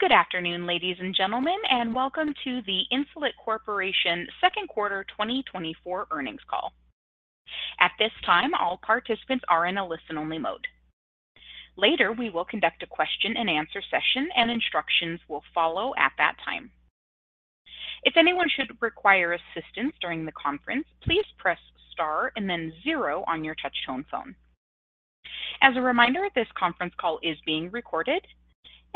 Good afternoon, ladies and gentlemen, and welcome to the Insulet Corporation second quarter 2024 earnings call. At this time, all participants are in a listen-only mode. Later, we will conduct a question-and-answer session, and instructions will follow at that time. If anyone should require assistance during the conference, please press star and then zero on your touchtone phone. As a reminder, this conference call is being recorded.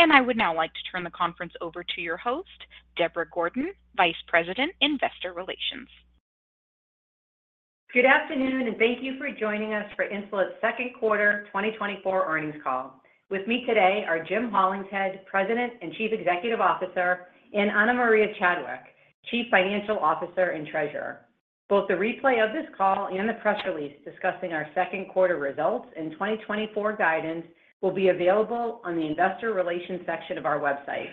I would now like to turn the conference over to your host, Deborah Gordon, Vice President, Investor Relations. Good afternoon, and thank you for joining us for Insulet's second quarter 2024 earnings call. With me today are Jim Hollingshead, President and Chief Executive Officer, and Ana Maria Chadwick, Chief Financial Officer and Treasurer. Both the replay of this call and the press release discussing our second quarter results and 2024 guidance will be available on the investor relations section of our website.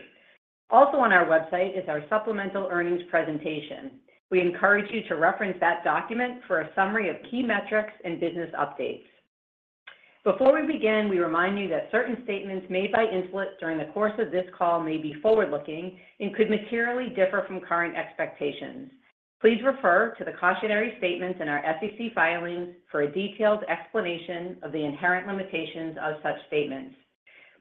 Also on our website is our supplemental earnings presentation. We encourage you to reference that document for a summary of key metrics and business updates. Before we begin, we remind you that certain statements made by Insulet during the course of this call may be forward-looking and could materially differ from current expectations. Please refer to the cautionary statements in our SEC filings for a detailed explanation of the inherent limitations of such statements.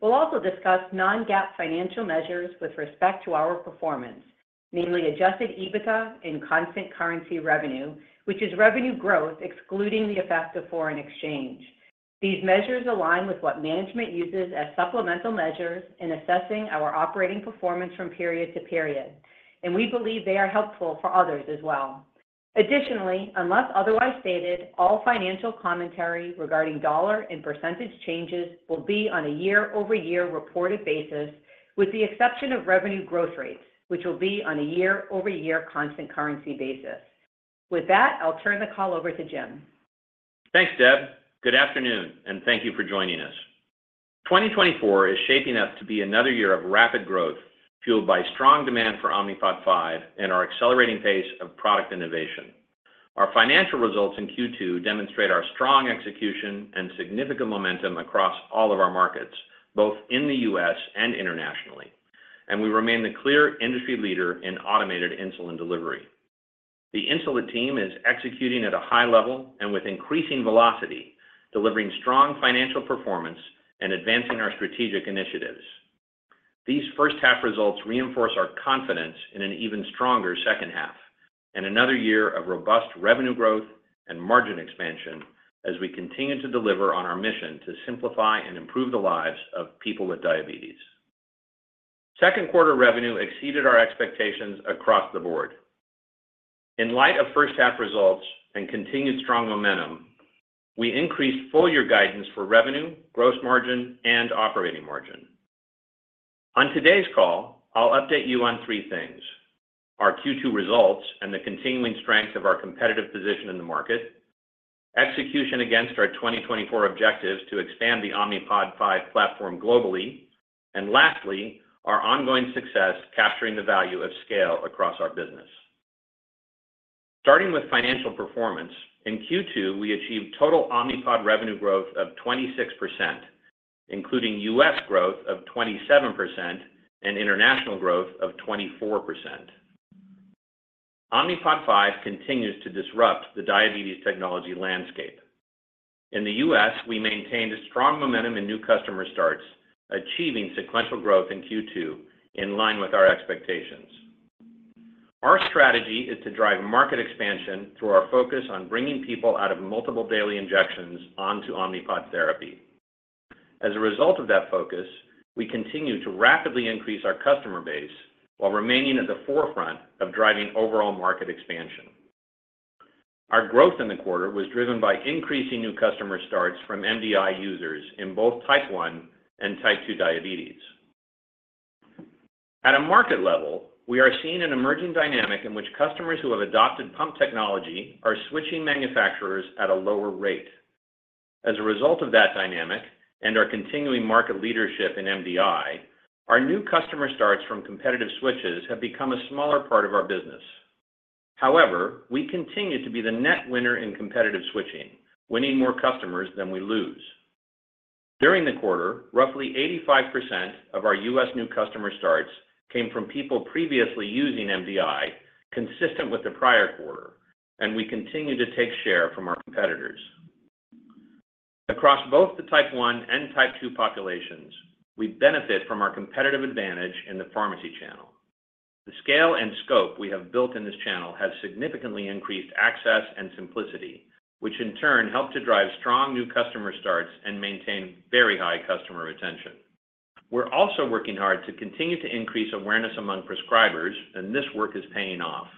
We'll also discuss non-GAAP financial measures with respect to our performance, namely Adjusted EBITDA and constant currency revenue, which is revenue growth excluding the effect of foreign exchange. These measures align with what management uses as supplemental measures in assessing our operating performance from period to period, and we believe they are helpful for others as well. Additionally, unless otherwise stated, all financial commentary regarding dollar and percentage changes will be on a year-over-year reported basis, with the exception of revenue growth rates, which will be on a year-over-year constant currency basis. With that, I'll turn the call over to Jim. Thanks, Deb. Good afternoon, and thank you for joining us. 2024 is shaping up to be another year of rapid growth, fueled by strong demand for Omnipod 5 and our accelerating pace of product innovation. Our financial results in Q2 demonstrate our strong execution and significant momentum across all of our markets, both in the U.S. and internationally, and we remain the clear industry leader in automated insulin delivery. The Insulet team is executing at a high level and with increasing velocity, delivering strong financial performance and advancing our strategic initiatives. These first half results reinforce our confidence in an even stronger second half and another year of robust revenue growth and margin expansion as we continue to deliver on our mission to simplify and improve the lives of people with diabetes. Second quarter revenue exceeded our expectations across the board. In light of first half results and continued strong momentum, we increased full year guidance for revenue, gross margin, and operating margin. On today's call, I'll update you on three things: Our Q2 results and the continuing strength of our competitive position in the market, execution against our 2024 objectives to expand the Omnipod 5 platform globally, and lastly, our ongoing success capturing the value of scale across our business. Starting with financial performance, in Q2, we achieved total Omnipod revenue growth of 26%, including U.S. growth of 27% and international growth of 24%. Omnipod 5 continues to disrupt the diabetes technology landscape. In the U.S., we maintained a strong momentum in new customer starts, achieving sequential growth in Q2, in line with our expectations. Our strategy is to drive market expansion through our focus on bringing people out of multiple daily injections onto Omnipod therapy. As a result of that focus, we continue to rapidly increase our customer base while remaining at the forefront of driving overall market expansion. Our growth in the quarter was driven by increasing new customer starts from MDI users in both Type 1 and Type 2 diabetes. At a market level, we are seeing an emerging dynamic in which customers who have adopted pump technology are switching manufacturers at a lower rate. As a result of that dynamic and our continuing market leadership in MDI, our new customer starts from competitive switches have become a smaller part of our business. However, we continue to be the net winner in competitive switching, winning more customers than we lose. During the quarter, roughly 85% of our U.S. new customer starts came from people previously using MDI, consistent with the prior quarter, and we continue to take share from our competitors. Across both the type 1 and type 2 populations, we benefit from our competitive advantage in the pharmacy channel. The scale and scope we have built in this channel has significantly increased access and simplicity, which in turn help to drive strong new customer starts and maintain very high customer retention. We're also working hard to continue to increase awareness among prescribers, and this work is paying off.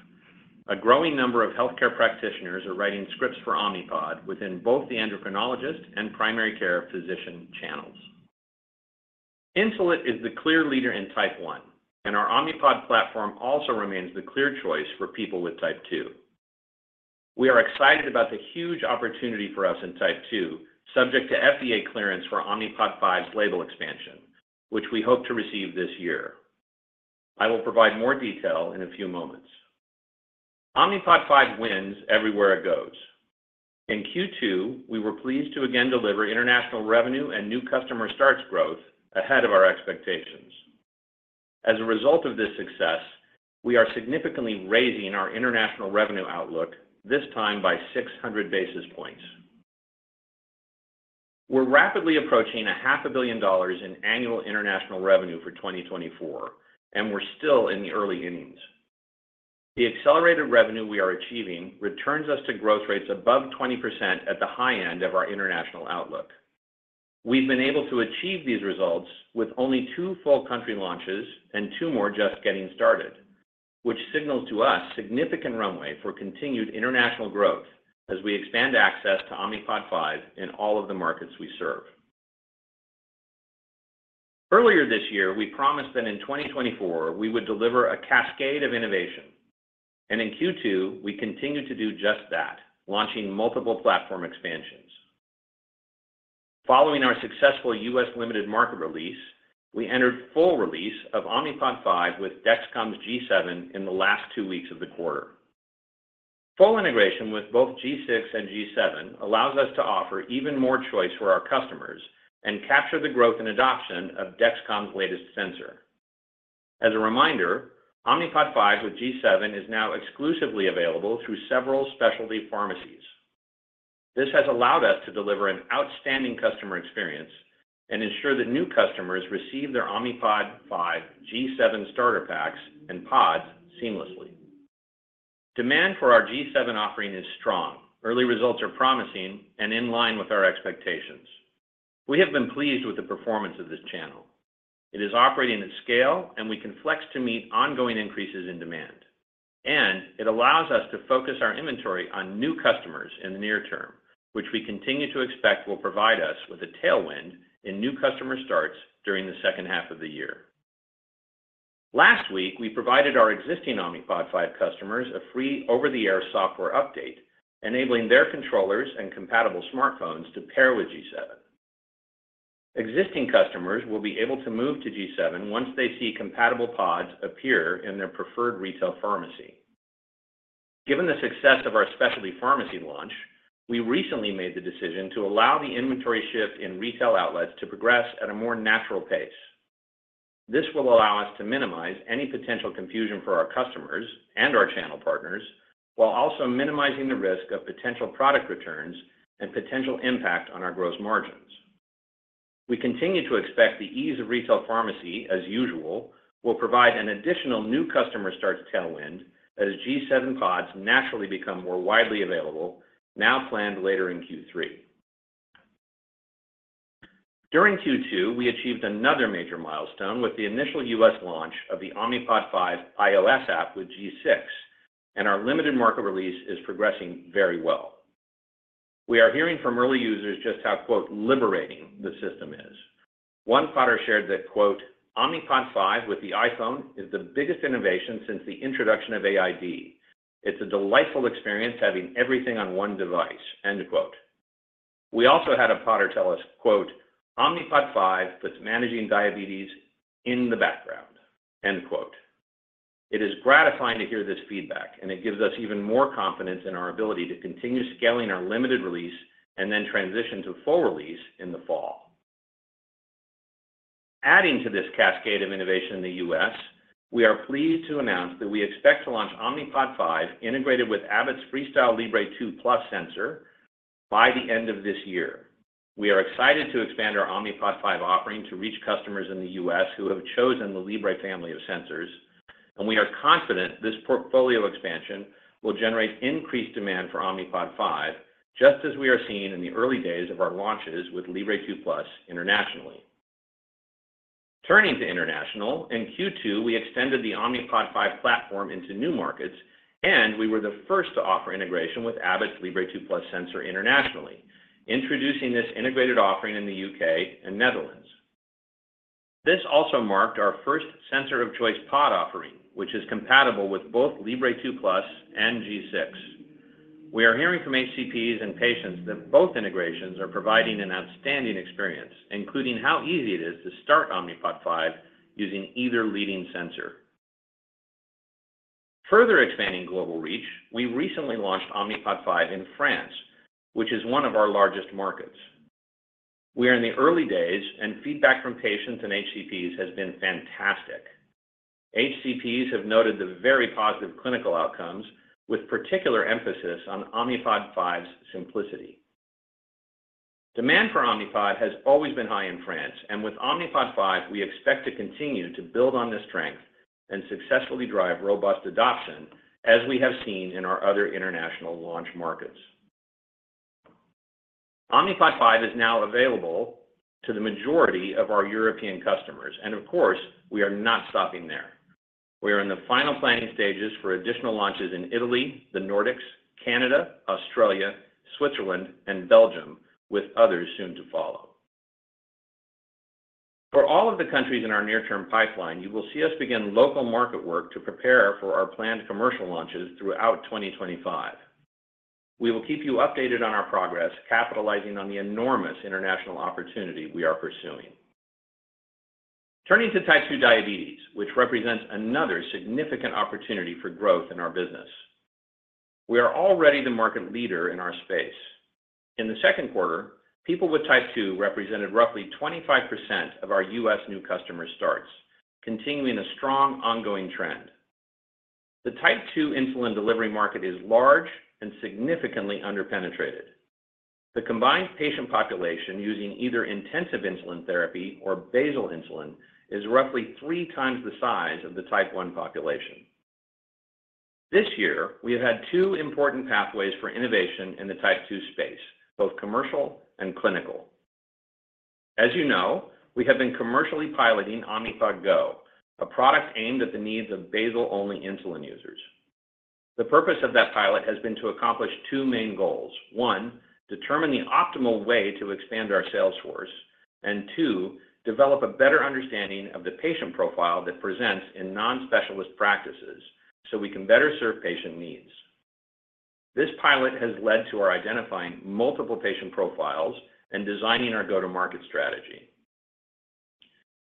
A growing number of healthcare practitioners are writing scripts for Omnipod within both the endocrinologist and primary care physician channels. Insulet is the clear leader in type 1, and our Omnipod platform also remains the clear choice for people with type 2. We are excited about the huge opportunity for us in type 2, subject to FDA clearance for Omnipod 5's label expansion, which we hope to receive this year.... I will provide more detail in a few moments. Omnipod 5 wins everywhere it goes. In Q2, we were pleased to again deliver international revenue and new customer starts growth ahead of our expectations. As a result of this success, we are significantly raising our international revenue outlook, this time by 600 basis points. We're rapidly approaching $500 million in annual international revenue for 2024, and we're still in the early innings. The accelerated revenue we are achieving returns us to growth rates above 20% at the high end of our international outlook. We've been able to achieve these results with only 2 full country launches and 2 more just getting started, which signals to us significant runway for continued international growth as we expand access to Omnipod 5 in all of the markets we serve. Earlier this year, we promised that in 2024, we would deliver a cascade of innovation, and in Q2, we continued to do just that, launching multiple platform expansions. Following our successful U.S. limited market release, we entered full release of Omnipod 5 with Dexcom's G7 in the last two weeks of the quarter. Full integration with both G6 and G7 allows us to offer even more choice for our customers and capture the growth and adoption of Dexcom's latest sensor. As a reminder, Omnipod 5 with G7 is now exclusively available through several specialty pharmacies. This has allowed us to deliver an outstanding customer experience and ensure that new customers receive their Omnipod 5 G7 starter packs and pods seamlessly. Demand for our G7 offering is strong. Early results are promising and in line with our expectations. We have been pleased with the performance of this channel. It is operating at scale, and we can flex to meet ongoing increases in demand, and it allows us to focus our inventory on new customers in the near term, which we continue to expect will provide us with a tailwind in new customer starts during the second half of the year. Last week, we provided our existing Omnipod 5 customers a free over-the-air software update, enabling their controllers and compatible smartphones to pair with G7. Existing customers will be able to move to G7 once they see compatible pods appear in their preferred retail pharmacy. Given the success of our specialty pharmacy launch, we recently made the decision to allow the inventory shift in retail outlets to progress at a more natural pace. This will allow us to minimize any potential confusion for our customers and our channel partners, while also minimizing the risk of potential product returns and potential impact on our gross margins. We continue to expect the ease of retail pharmacy, as usual, will provide an additional new customer starts tailwind as G7 pods naturally become more widely available, now planned later in Q3. During Q2, we achieved another major milestone with the initial U.S. launch of the Omnipod 5 iOS app with G6, and our limited market release is progressing very well. We are hearing from early users just how, quote, "liberating" the system is. One Podder shared that, quote, "Omnipod 5 with the iPhone is the biggest innovation since the introduction of AID. It's a delightful experience having everything on one device," end of quote. We also had a Podder tell us, quote, "Omnipod 5 puts managing diabetes in the background," end quote. It is gratifying to hear this feedback, and it gives us even more confidence in our ability to continue scaling our limited release and then transition to full release in the fall. Adding to this cascade of innovation in the US, we are pleased to announce that we expect to launch Omnipod 5, integrated with Abbott's FreeStyle Libre 2 Plus sensor, by the end of this year. We are excited to expand our Omnipod 5 offering to reach customers in the US who have chosen the Libre family of sensors, and we are confident this portfolio expansion will generate increased demand for Omnipod 5, just as we are seeing in the early days of our launches with Libre 2 Plus internationally. Turning to international, in Q2, we extended the Omnipod 5 platform into new markets, and we were the first to offer integration with Abbott's Libre 2 Plus sensor internationally, introducing this integrated offering in the UK and Netherlands. This also marked our first sensor of choice pod offering, which is compatible with both Libre 2 Plus and G6. We are hearing from HCPs and patients that both integrations are providing an outstanding experience, including how easy it is to start Omnipod 5 using either leading sensor. Further expanding global reach, we recently launched Omnipod 5 in France, which is one of our largest markets. We are in the early days, and feedback from patients and HCPs has been fantastic. HCPs have noted the very positive clinical outcomes, with particular emphasis on Omnipod 5's simplicity. Demand for Omnipod has always been high in France, and with Omnipod 5, we expect to continue to build on this strength and successfully drive robust adoption, as we have seen in our other international launch markets. Omnipod 5 is now available to the majority of our European customers, and of course, we are not stopping there. We are in the final planning stages for additional launches in Italy, the Nordics, Canada, Australia, Switzerland, and Belgium, with others soon to follow. For all of the countries in our near-term pipeline, you will see us begin local market work to prepare for our planned commercial launches throughout 2025. We will keep you updated on our progress, capitalizing on the enormous international opportunity we are pursuing. Turning to type 2 diabetes, which represents another significant opportunity for growth in our business. We are already the market leader in our space. In the second quarter, people with Type 2 represented roughly 25% of our U.S. new customer starts, continuing a strong ongoing trend. The Type 2 insulin delivery market is large and significantly under-penetrated. The combined patient population using either intensive insulin therapy or basal insulin is roughly three times the size of the Type 1 population. This year, we have had two important pathways for innovation in the Type 2 space, both commercial and clinical. As you know, we have been commercially piloting Omnipod GO, a product aimed at the needs of basal-only insulin users. The purpose of that pilot has been to accomplish two main goals: one, determine the optimal way to expand our sales force, and two, develop a better understanding of the patient profile that presents in non-specialist practices so we can better serve patient needs. This pilot has led to our identifying multiple patient profiles and designing our go-to-market strategy.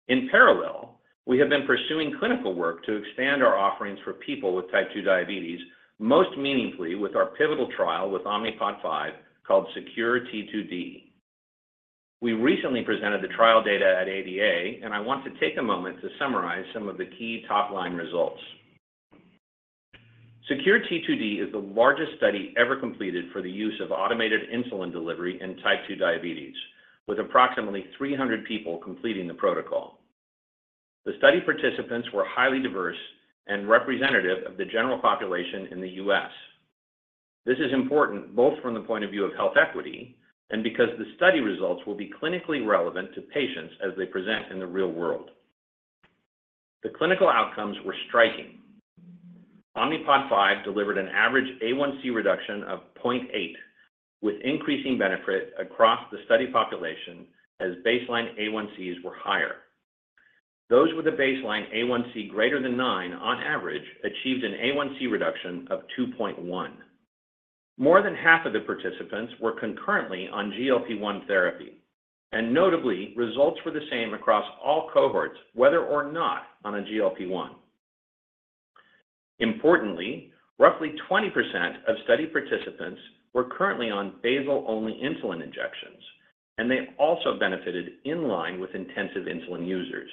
In parallel, we have been pursuing clinical work to expand our offerings for people with Type 2 diabetes, most meaningfully with our pivotal trial with Omnipod 5, called SECURE-T2D. We recently presented the trial data at ADA, and I want to take a moment to summarize some of the key top-line results. SECURE-T2D is the largest study ever completed for the use of automated insulin delivery in Type 2 diabetes, with approximately 300 people completing the protocol. The study participants were highly diverse and representative of the general population in the U.S. This is important both from the point of view of health equity and because the study results will be clinically relevant to patients as they present in the real world. The clinical outcomes were striking. Omnipod 5 delivered an average A1C reduction of 0.8, with increasing benefit across the study population as baseline A1Cs were higher. Those with a baseline A1C greater than 9, on average, achieved an A1C reduction of 2.1. More than half of the participants were concurrently on GLP-1 therapy, and notably, results were the same across all cohorts, whether or not on a GLP-1. Importantly, roughly 20% of study participants were currently on basal-only insulin injections, and they also benefited in line with intensive insulin users.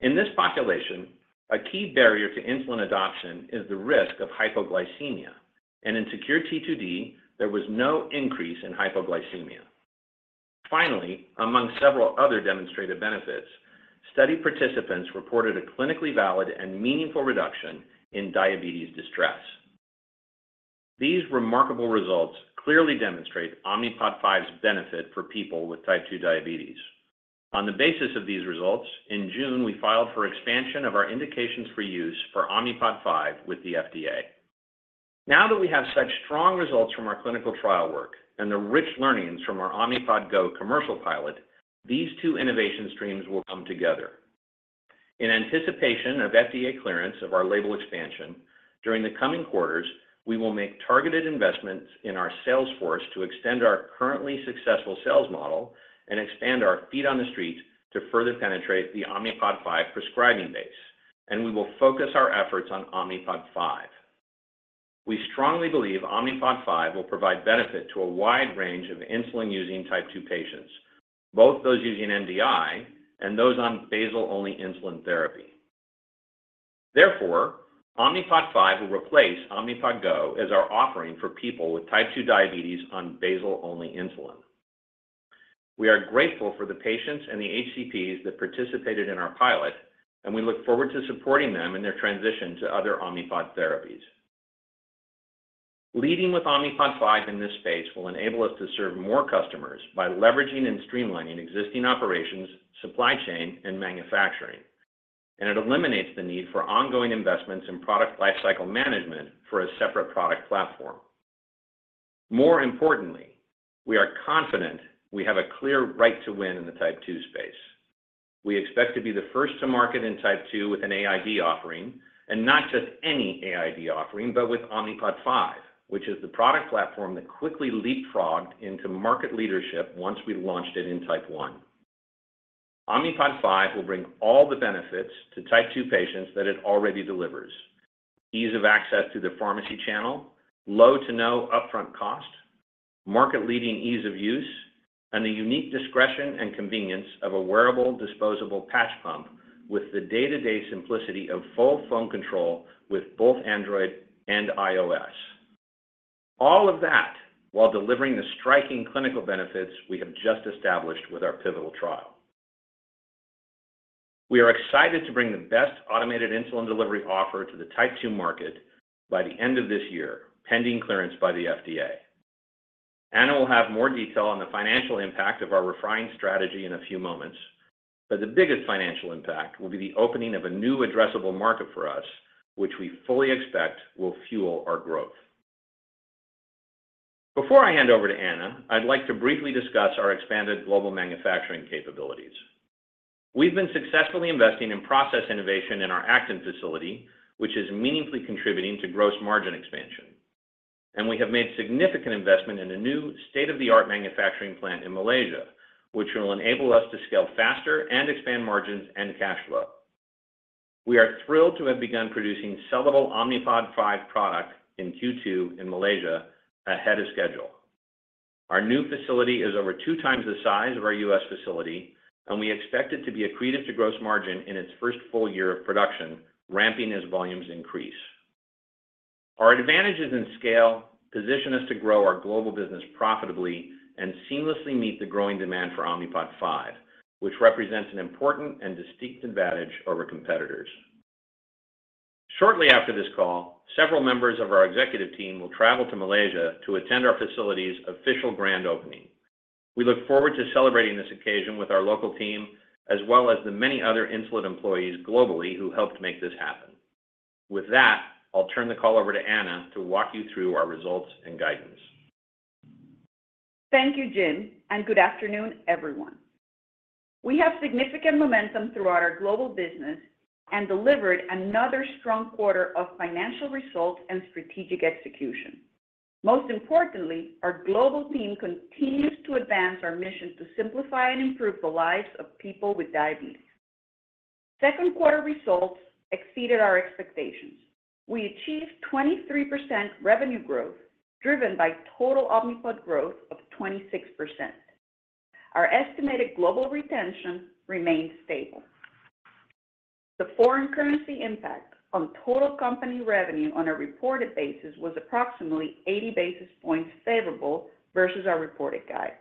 In this population, a key barrier to insulin adoption is the risk of hypoglycemia, and in SECURE-T2D, there was no increase in hypoglycemia. Finally, among several other demonstrated benefits, study participants reported a clinically valid and meaningful reduction in diabetes distress. These remarkable results clearly demonstrate Omnipod 5's benefit for people with type 2 diabetes. On the basis of these results, in June, we filed for expansion of our indications for use for Omnipod 5 with the FDA. Now that we have such strong results from our clinical trial work and the rich learnings from our Omnipod GO commercial pilot, these two innovation streams will come together. In anticipation of FDA clearance of our label expansion, during the coming quarters, we will make targeted investments in our sales force to extend our currently successful sales model and expand our feet on the street to further penetrate the Omnipod 5 prescribing base, and we will focus our efforts on Omnipod 5. We strongly believe Omnipod 5 will provide benefit to a wide range of insulin-using type 2 patients, both those using MDI and those on basal-only insulin therapy. Therefore, Omnipod 5 will replace Omnipod GO as our offering for people with type 2 diabetes on basal-only insulin. We are grateful for the patients and the HCPs that participated in our pilot, and we look forward to supporting them in their transition to other Omnipod therapies. Leading with Omnipod 5 in this space will enable us to serve more customers by leveraging and streamlining existing operations, supply chain, and manufacturing. It eliminates the need for ongoing investments in product lifecycle management for a separate product platform. More importantly, we are confident we have a clear right to win in the type 2 space. We expect to be the first to market in type 2 with an AID offering, and not just any AID offering, but with Omnipod 5, which is the product platform that quickly leapfrogged into market leadership once we launched it in type 1. Omnipod 5 will bring all the benefits to Type 2 patients that it already delivers: ease of access to the pharmacy channel, low to no upfront cost, market-leading ease of use, and the unique discretion and convenience of a wearable, disposable patch pump with the day-to-day simplicity of full phone control with both Android and iOS. All of that while delivering the striking clinical benefits we have just established with our pivotal trial. We are excited to bring the best automated insulin delivery offer to the Type 2 market by the end of this year, pending clearance by the FDA. Ana will have more detail on the financial impact of our refined strategy in a few moments, but the biggest financial impact will be the opening of a new addressable market for us, which we fully expect will fuel our growth. Before I hand over to Ana, I'd like to briefly discuss our expanded global manufacturing capabilities.... We've been successfully investing in process innovation in our Acton facility, which is meaningfully contributing to gross margin expansion. And we have made significant investment in a new state-of-the-art manufacturing plant in Malaysia, which will enable us to scale faster and expand margins and cash flow. We are thrilled to have begun producing sellable Omnipod 5 product in Q2 in Malaysia ahead of schedule. Our new facility is over two times the size of our US facility, and we expect it to be accretive to gross margin in its first full year of production, ramping as volumes increase. Our advantages in scale position us to grow our global business profitably and seamlessly meet the growing demand for Omnipod 5, which represents an important and distinct advantage over competitors. Shortly after this call, several members of our executive team will travel to Malaysia to attend our facility's official grand opening. We look forward to celebrating this occasion with our local team, as well as the many other Insulet employees globally who helped make this happen. With that, I'll turn the call over to Ana to walk you through our results and guidance. Thank you, Jim, and good afternoon, everyone. We have significant momentum throughout our global business and delivered another strong quarter of financial results and strategic execution. Most importantly, our global team continues to advance our mission to simplify and improve the lives of people with diabetes. Second quarter results exceeded our expectations. We achieved 23% revenue growth, driven by total Omnipod growth of 26%. Our estimated global retention remains stable. The foreign currency impact on total company revenue on a reported basis was approximately 80 basis points favorable versus our reported guide.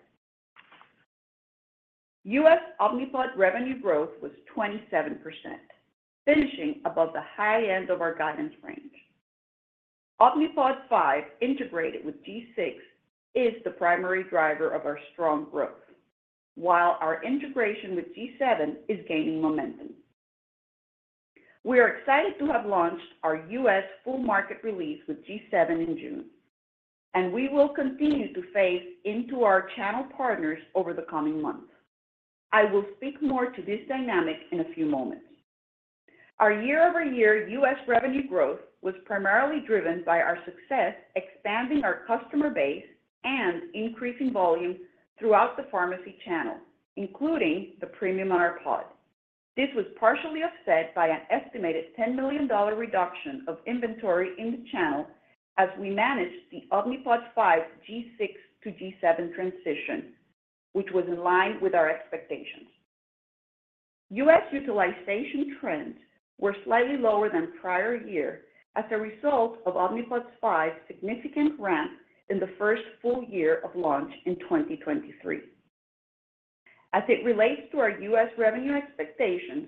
U.S. Omnipod revenue growth was 27%, finishing above the high end of our guidance range. Omnipod 5, integrated with G6, is the primary driver of our strong growth, while our integration with G7 is gaining momentum. We are excited to have launched our U.S. full market release with G7 in June, and we will continue to phase into our channel partners over the coming months. I will speak more to this dynamic in a few moments. Our year-over-year U.S. revenue growth was primarily driven by our success expanding our customer base and increasing volume throughout the pharmacy channel, including the premium on our pod. This was partially offset by an estimated $10 million reduction of inventory in the channel as we managed the Omnipod 5 G6 to G7 transition, which was in line with our expectations. U.S. utilization trends were slightly lower than prior year as a result of Omnipod 5's significant ramp in the first full year of launch in 2023. As it relates to our U.S. revenue expectations,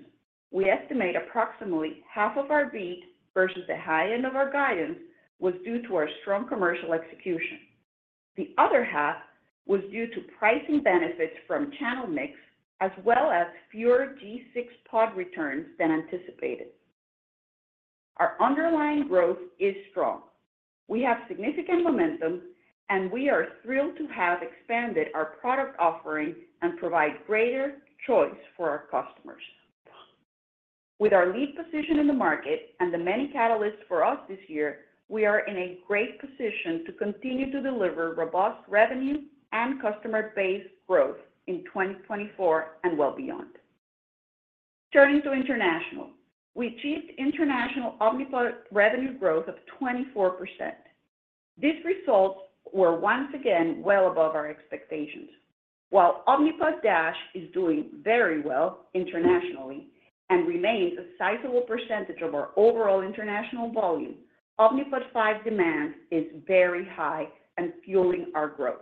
we estimate approximately half of our beat versus the high end of our guidance was due to our strong commercial execution. The other half was due to pricing benefits from channel mix, as well as fewer G6 pod returns than anticipated. Our underlying growth is strong. We have significant momentum, and we are thrilled to have expanded our product offering and provide greater choice for our customers. With our lead position in the market and the many catalysts for us this year, we are in a great position to continue to deliver robust revenue and customer base growth in 2024 and well beyond. Turning to international. We achieved international Omnipod revenue growth of 24%. These results were once again well above our expectations. While Omnipod DASH is doing very well internationally and remains a sizable percentage of our overall international volume, Omnipod 5 demand is very high and fueling our growth.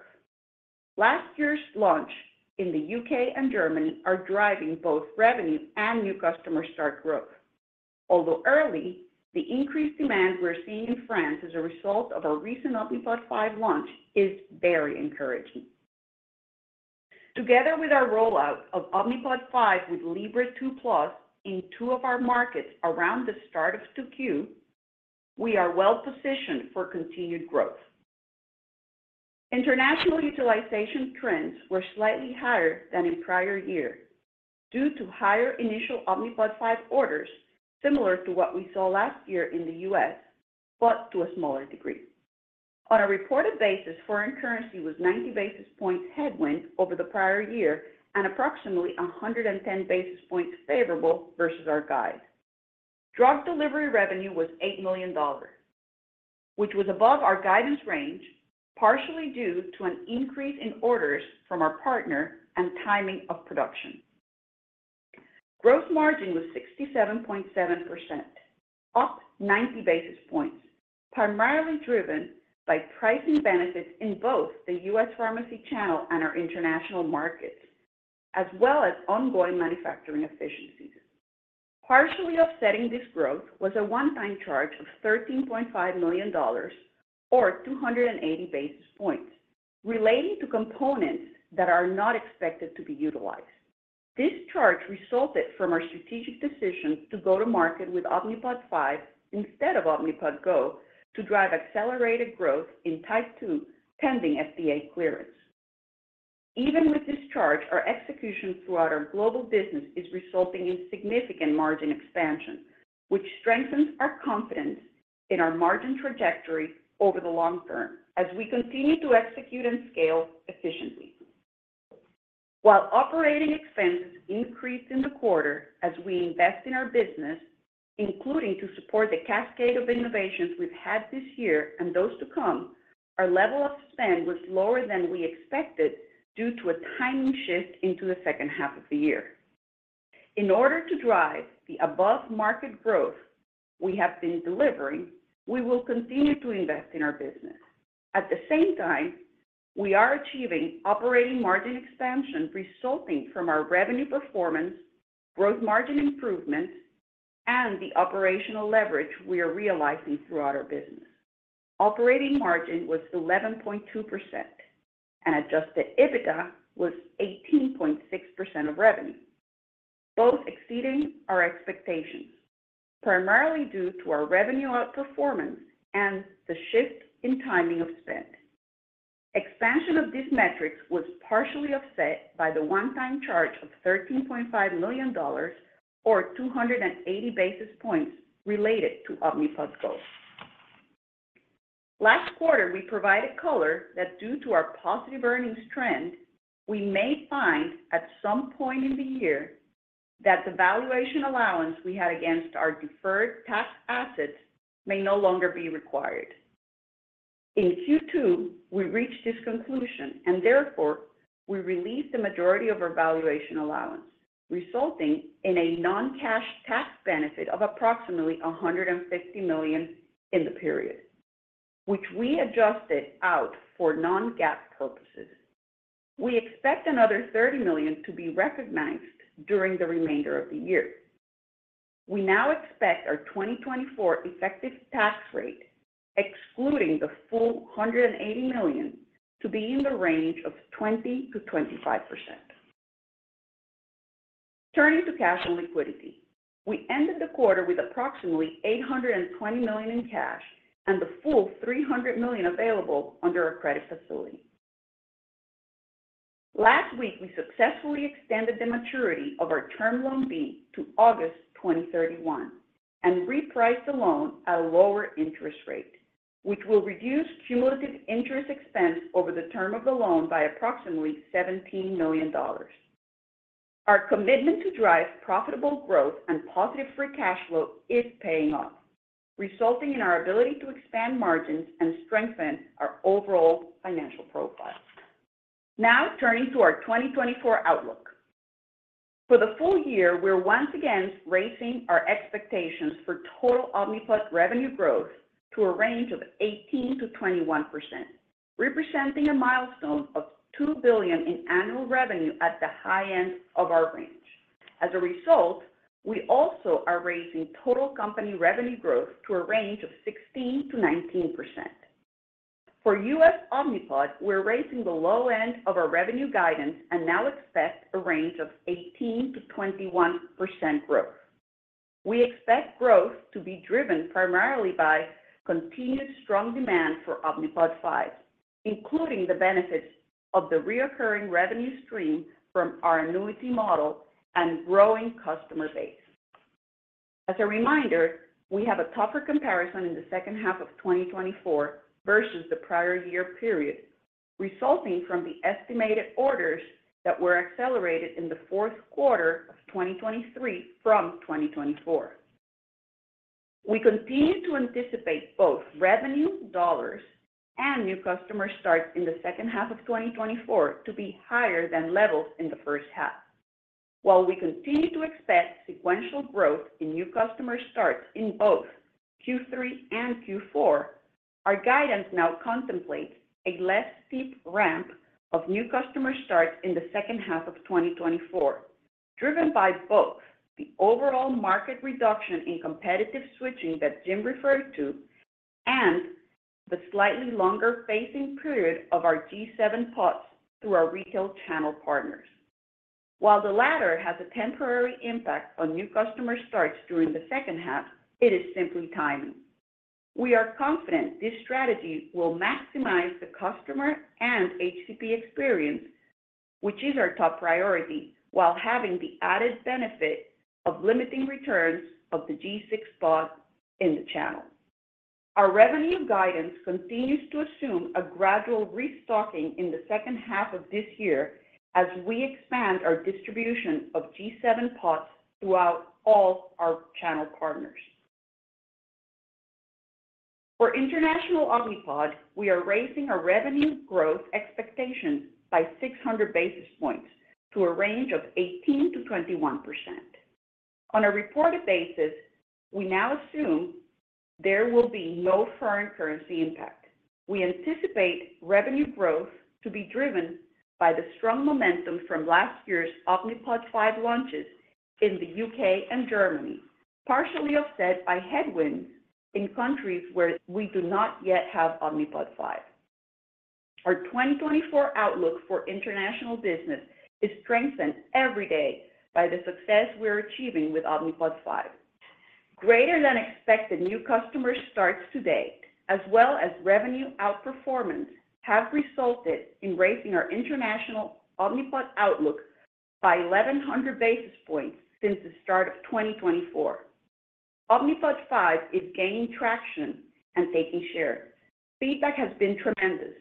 Last year's launch in the UK and Germany are driving both revenue and new customer start growth. Although early, the increased demand we're seeing in France as a result of our recent Omnipod 5 launch is very encouraging. Together with our rollout of Omnipod 5 with Libre 2 Plus in two of our markets around the start of 2Q, we are well positioned for continued growth. International utilization trends were slightly higher than in prior years due to higher initial Omnipod 5 orders, similar to what we saw last year in the US, but to a smaller degree. On a reported basis, foreign currency was 90 basis points headwind over the prior year and approximately 110 basis points favorable versus our guide. Drug delivery revenue was $8 million, which was above our guidance range, partially due to an increase in orders from our partner and timing of production. Gross margin was 67.7%, up 90 basis points, primarily driven by pricing benefits in both the U.S. pharmacy channel and our international markets, as well as ongoing manufacturing efficiencies. Partially offsetting this growth was a one-time charge of $13.5 million or 280 basis points, relating to components that are not expected to be utilized. This charge resulted from our strategic decision to go to market with Omnipod 5 instead of Omnipod GO to drive accelerated growth in type 2, pending FDA clearance. Even with this charge, our execution throughout our global business is resulting in significant margin expansion, which strengthens our confidence in our margin trajectory over the long term as we continue to execute and scale efficiently. While operating expenses increased in the quarter as we invest in our business, including to support the cascade of innovations we've had this year and those to come, our level of spend was lower than we expected due to a timing shift into the second half of the year. In order to drive the above-market growth we have been delivering, we will continue to invest in our business. At the same time, we are achieving operating margin expansion resulting from our revenue performance, gross margin improvements, and the operational leverage we are realizing throughout our business. Operating margin was 11.2%, and adjusted EBITDA was 18.6% of revenue, both exceeding our expectations, primarily due to our revenue outperformance and the shift in timing of spend. Expansion of these metrics was partially offset by the one-time charge of $13.5 million, or 280 basis points, related to Omnipod Go. Last quarter, we provided color that due to our positive earnings trend, we may find at some point in the year that the valuation allowance we had against our deferred tax assets may no longer be required. In Q2, we reached this conclusion, and therefore, we released the majority of our valuation allowance, resulting in a non-cash tax benefit of approximately $150 million in the period, which we adjusted out for non-GAAP purposes. We expect another $30 million to be recognized during the remainder of the year. We now expect our 2024 effective tax rate, excluding the full $180 million, to be in the range of 20%-25%. Turning to cash and liquidity, we ended the quarter with approximately $820 million in cash and the full $300 million available under our credit facility. Last week, we successfully extended the maturity of our Term Loan B to August 2031 and repriced the loan at a lower interest rate, which will reduce cumulative interest expense over the term of the loan by approximately $17 million. Our commitment to drive profitable growth and positive free cash flow is paying off, resulting in our ability to expand margins and strengthen our overall financial profile. Now, turning to our 2024 outlook. For the full year, we're once again raising our expectations for total Omnipod revenue growth to a range of 18%-21%, representing a milestone of $2 billion in annual revenue at the high end of our range. As a result, we also are raising total company revenue growth to a range of 16%-19%. For U.S. Omnipod, we're raising the low end of our revenue guidance and now expect a range of 18%-21% growth. We expect growth to be driven primarily by continued strong demand for Omnipod 5, including the benefits of the recurring revenue stream from our annuity model and growing customer base. As a reminder, we have a tougher comparison in the second half of 2024 versus the prior year period, resulting from the estimated orders that were accelerated in the fourth quarter of 2023 from 2024. We continue to anticipate both revenue dollars and new customer starts in the second half of 2024 to be higher than levels in the first half. While we continue to expect sequential growth in new customer starts in both Q3 and Q4, our guidance now contemplates a less steep ramp of new customer starts in the second half of 2024, driven by both the overall market reduction in competitive switching that Jim referred to and the slightly longer phasing period of our G7 pods through our retail channel partners. While the latter has a temporary impact on new customer starts during the second half, it is simply timing. We are confident this strategy will maximize the customer and HCP experience, which is our top priority, while having the added benefit of limiting returns of the G6 pods in the channel. Our revenue guidance continues to assume a gradual restocking in the second half of this year as we expand our distribution of G7 pods throughout all our channel partners. For international Omnipod, we are raising our revenue growth expectations by 600 basis points to a range of 18%-21%. On a reported basis, we now assume there will be no foreign currency impact. We anticipate revenue growth to be driven by the strong momentum from last year's Omnipod 5 launches in the UK and Germany, partially offset by headwinds in countries where we do not yet have Omnipod 5. Our 2024 outlook for international business is strengthened every day by the success we're achieving with Omnipod 5. Greater than expected new customer starts today, as well as revenue outperformance, have resulted in raising our international Omnipod outlook by 1,100 basis points since the start of 2024. Omnipod 5 is gaining traction and taking share. Feedback has been tremendous,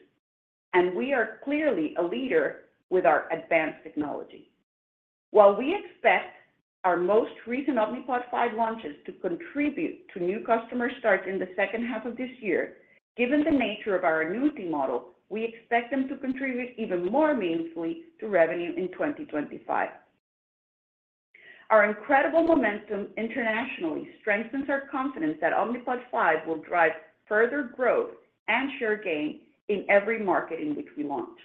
and we are clearly a leader with our advanced technology. While we expect our most recent Omnipod 5 launches to contribute to new customer starts in the second half of this year, given the nature of our annuity model, we expect them to contribute even more meaningfully to revenue in 2025. Our incredible momentum internationally strengthens our confidence that Omnipod 5 will drive further growth and share gain in every market in which we launch.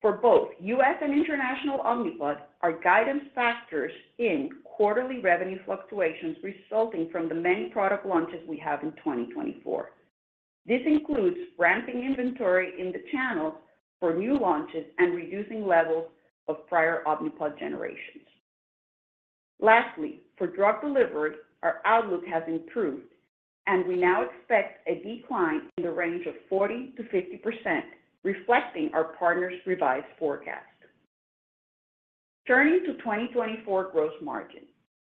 For both US and international Omnipod, our guidance factors in quarterly revenue fluctuations resulting from the many product launches we have in 2024. This includes ramping inventory in the channels for new launches and reducing levels of prior Omnipod generations. Lastly, for Drug Delivery, our outlook has improved, and we now expect a decline in the range of 40%-50%, reflecting our partner's revised forecast. Turning to 2024 gross margin.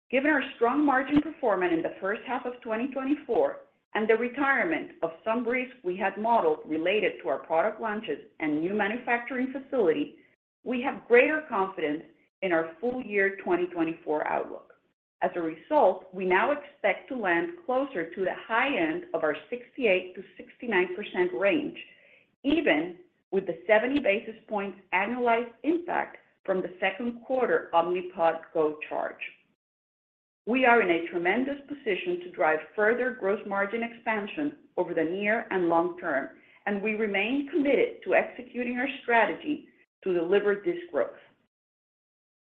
Given our strong margin performance in the first half of 2024 and the retirement of some risks we had modeled related to our product launches and new manufacturing facility, we have greater confidence in our full year 2024 outlook. As a result, we now expect to land closer to the high end of our 68%-69% range, even with the 70 basis points annualized impact from the second quarter Omnipod GO charge. We are in a tremendous position to drive further gross margin expansion over the near and long term, and we remain committed to executing our strategy to deliver this growth.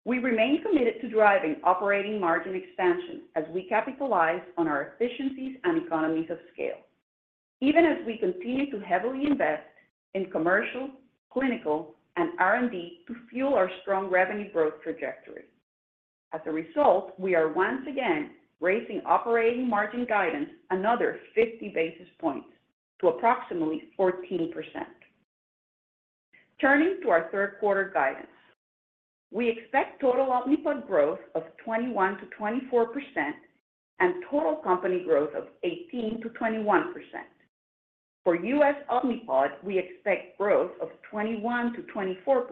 We remain committed to driving operating margin expansion as we capitalize on our efficiencies and economies of scale, even as we continue to heavily invest in commercial, clinical, and R&D to fuel our strong revenue growth trajectory. As a result, we are once again raising operating margin guidance another 50 basis points to approximately 14%. Turning to our third quarter guidance. We expect total Omnipod growth of 21%-24% and total company growth of 18%-21%. For U.S. Omnipod, we expect growth of 21%-24%,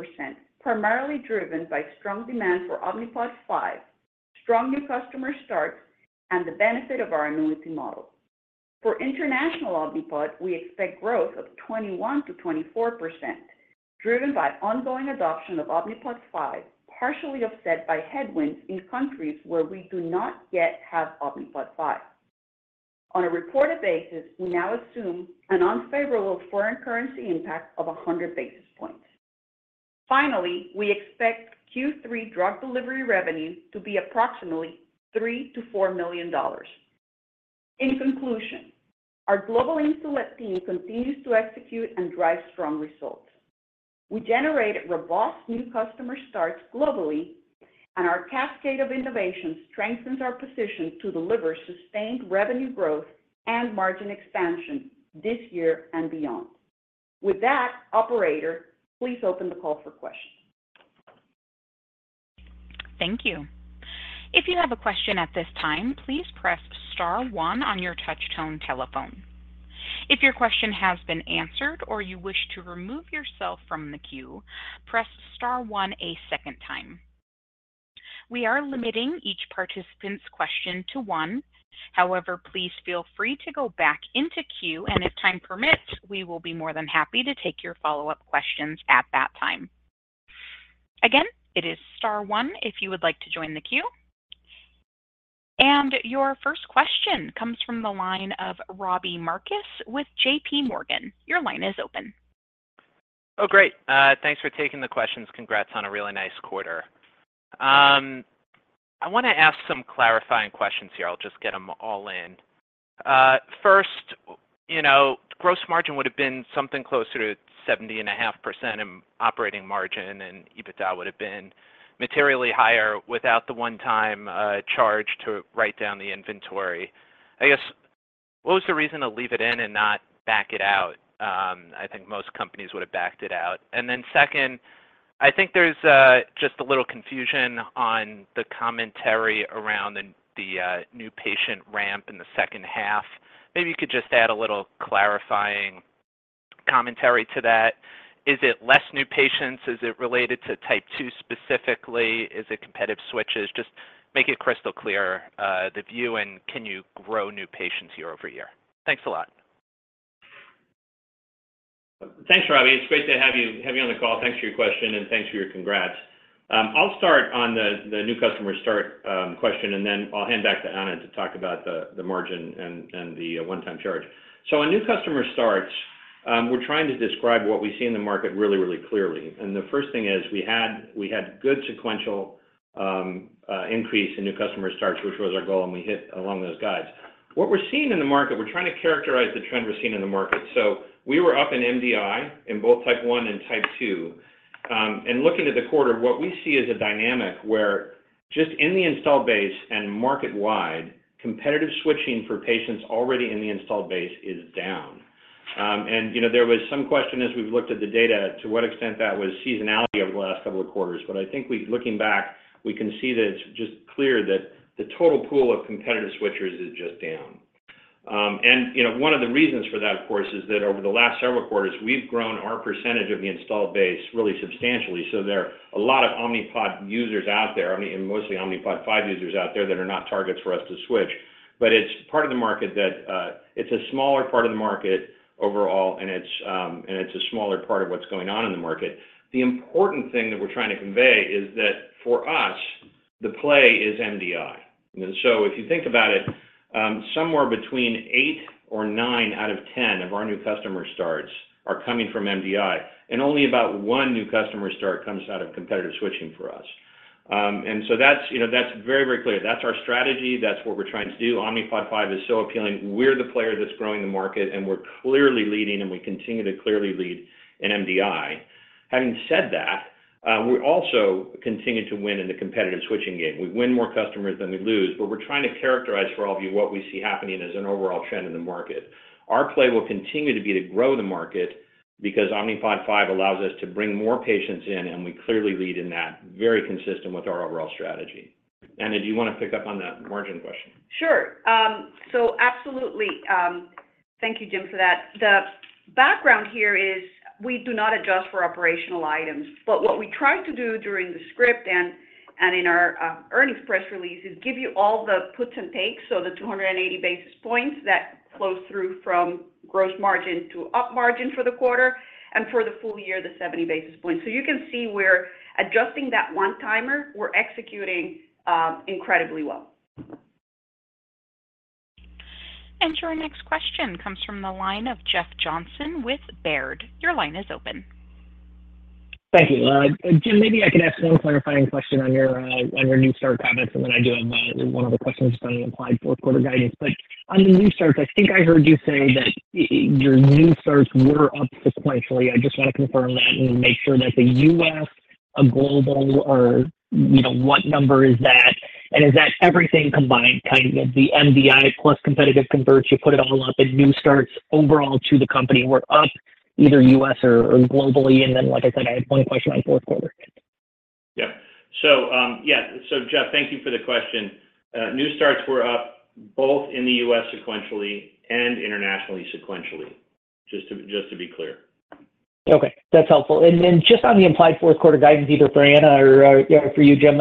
primarily driven by strong demand for Omnipod 5, strong new customer starts, and the benefit of our annuity model. For international Omnipod, we expect growth of 21%-24%, driven by ongoing adoption of Omnipod 5, partially offset by headwinds in countries where we do not yet have Omnipod 5. On a reported basis, we now assume an unfavorable foreign currency impact of 100 basis points. Finally, we expect Q3 drug delivery revenue to be approximately $3 million-$4 million. In conclusion, our global insulet team continues to execute and drive strong results. We generated robust new customer starts globally, and our cascade of innovation strengthens our position to deliver sustained revenue growth and margin expansion this year and beyond. With that, operator, please open the call for questions. Thank you. If you have a question at this time, please press star one on your touchtone telephone. If your question has been answered or you wish to remove yourself from the queue, press star one a second time. We are limiting each participant's question to one. However, please feel free to go back into queue, and if time permits, we will be more than happy to take your follow-up questions at that time. Again, it is star one if you would like to join the queue. And your first question comes from the line of Robbie Marcus with J.P. Morgan. Your line is open. Oh, great. Thanks for taking the questions. Congrats on a really nice quarter. I want to ask some clarifying questions here. I'll just get them all in. First, you know, gross margin would have been something closer to 70.5%, and operating margin and EBITDA would have been materially higher without the one-time charge to write down the inventory. I guess, what was the reason to leave it in and not back it out? I think most companies would have backed it out. And then second, I think there's just a little confusion on the commentary around the new patient ramp in the second half. Maybe you could just add a little clarifying commentary to that. Is it less new patients? Is it related to type two specifically? Is it competitive switches? Just make it crystal clear, the view, and can you grow new patients year over year? Thanks a lot. Thanks, Robbie. It's great to have you on the call. Thanks for your question, and thanks for your congrats. I'll start on the new customer starts question, and then I'll hand back to Ana to talk about the margin and the one-time charge. So on new customer starts, we're trying to describe what we see in the market really clearly. And the first thing is we had good sequential increase in new customer starts, which was our goal, and we hit along those guidance. What we're seeing in the market. We're trying to characterize the trend we're seeing in the market. So we were up in MDI in both type one and type two.... And looking at the quarter, what we see is a dynamic where just in the installed base and market-wide, competitive switching for patients already in the installed base is down. And, you know, there was some question as we've looked at the data, to what extent that was seasonality over the last couple of quarters. But I think, looking back, we can see that it's just clear that the total pool of competitive switchers is just down. And, you know, one of the reasons for that, of course, is that over the last several quarters, we've grown our percentage of the installed base really substantially. So there are a lot of Omnipod users out there, I mean, and mostly Omnipod 5 users out there that are not targets for us to switch. But it's part of the market that, it's a smaller part of the market overall, and it's, and it's a smaller part of what's going on in the market. The important thing that we're trying to convey is that for us, the play is MDI. And so if you think about it, somewhere between eight or nine out of ten of our new customer starts are coming from MDI, and only about one new customer start comes out of competitive switching for us. And so that's, you know, that's very, very clear. That's our strategy. That's what we're trying to do. Omnipod 5 is so appealing. We're the player that's growing the market, and we're clearly leading, and we continue to clearly lead in MDI. Having said that, we also continue to win in the competitive switching game. We win more customers than we lose, but we're trying to characterize for all of you what we see happening as an overall trend in the market. Our play will continue to be to grow the market because Omnipod 5 allows us to bring more patients in, and we clearly lead in that, very consistent with our overall strategy. Ana, do you want to pick up on that margin question? Sure. So absolutely. Thank you, Jim, for that. The background here is we do not adjust for operational items, but what we try to do during the script and in our earnings press release is give you all the puts and takes. So the 280 basis points that flow through from gross margin to op margin for the quarter and for the full year, the 70 basis points. So you can see where adjusting that one-timer, we're executing incredibly well. Your next question comes from the line of Jeff Johnson with Baird. Your line is open. Thank you. Jim, maybe I could ask one clarifying question on your new start comments, and then I do have one other question just on the implied fourth quarter guidance. But on the new starts, I think I heard you say that your new starts were up sequentially. I just want to confirm that and make sure that the U.S. global or, you know, what number is that, and is that everything combined, kind of the MDI plus competitive converts, you put it all up and new starts overall to the company were up either U.S. or globally? And then, like I said, I had one question on fourth quarter. Yeah. So, Jeff, thank you for the question. New starts were up both in the US sequentially and internationally sequentially, just to, just to be clear. Okay, that's helpful. Then just on the implied fourth quarter guidance, either for Anna or for you, Jim,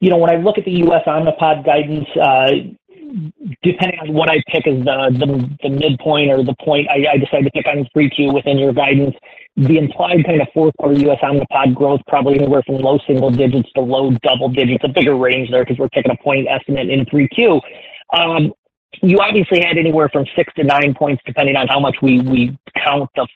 you know, when I look at the US Omnipod guidance, depending on what I pick as the midpoint or the point I decide to pick on Q3 within your guidance, the implied kind of fourth quarter US Omnipod growth probably anywhere from low single digits to low double digits. A bigger range there because we're taking a point estimate in Q3. You obviously had anywhere from six to nine points, depending on how much we count the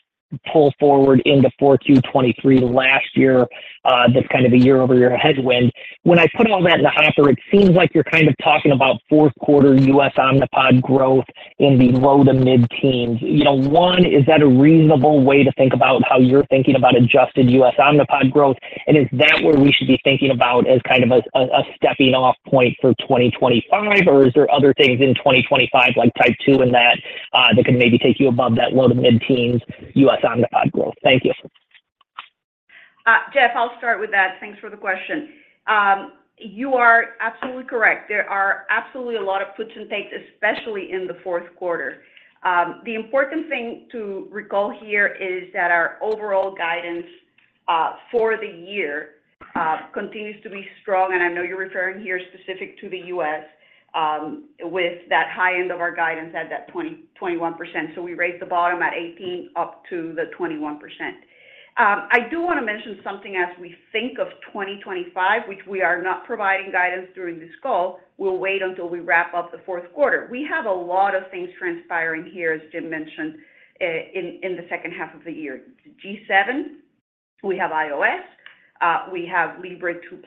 pull forward into Q4 2023 last year, that's kind of a year-over-year headwind. When I put all that in the hopper, it seems like you're kind of talking about fourth quarter US Omnipod growth in the low to mid-teens. You know, one, is that a reasonable way to think about how you're thinking about adjusted U.S. Omnipod growth? Is that where we should be thinking about as kind of a stepping off point for 2025? Is there other things in 2025 like type two and that, that can maybe take you above that low- to mid-teens U.S. Omnipod growth? Thank you. Jeff, I'll start with that. Thanks for the question. You are absolutely correct. There are absolutely a lot of puts and takes, especially in the fourth quarter. The important thing to recall here is that our overall guidance for the year continues to be strong, and I know you're referring here specific to the US, with that high end of our guidance at that 20-21%. So we raised the bottom at 18 up to the 21%. I do want to mention something as we think of 2025, which we are not providing guidance during this call. We'll wait until we wrap up the fourth quarter. We have a lot of things transpiring here, as Jim mentioned, in the second half of the year. G7, we have iOS, we have Libre 2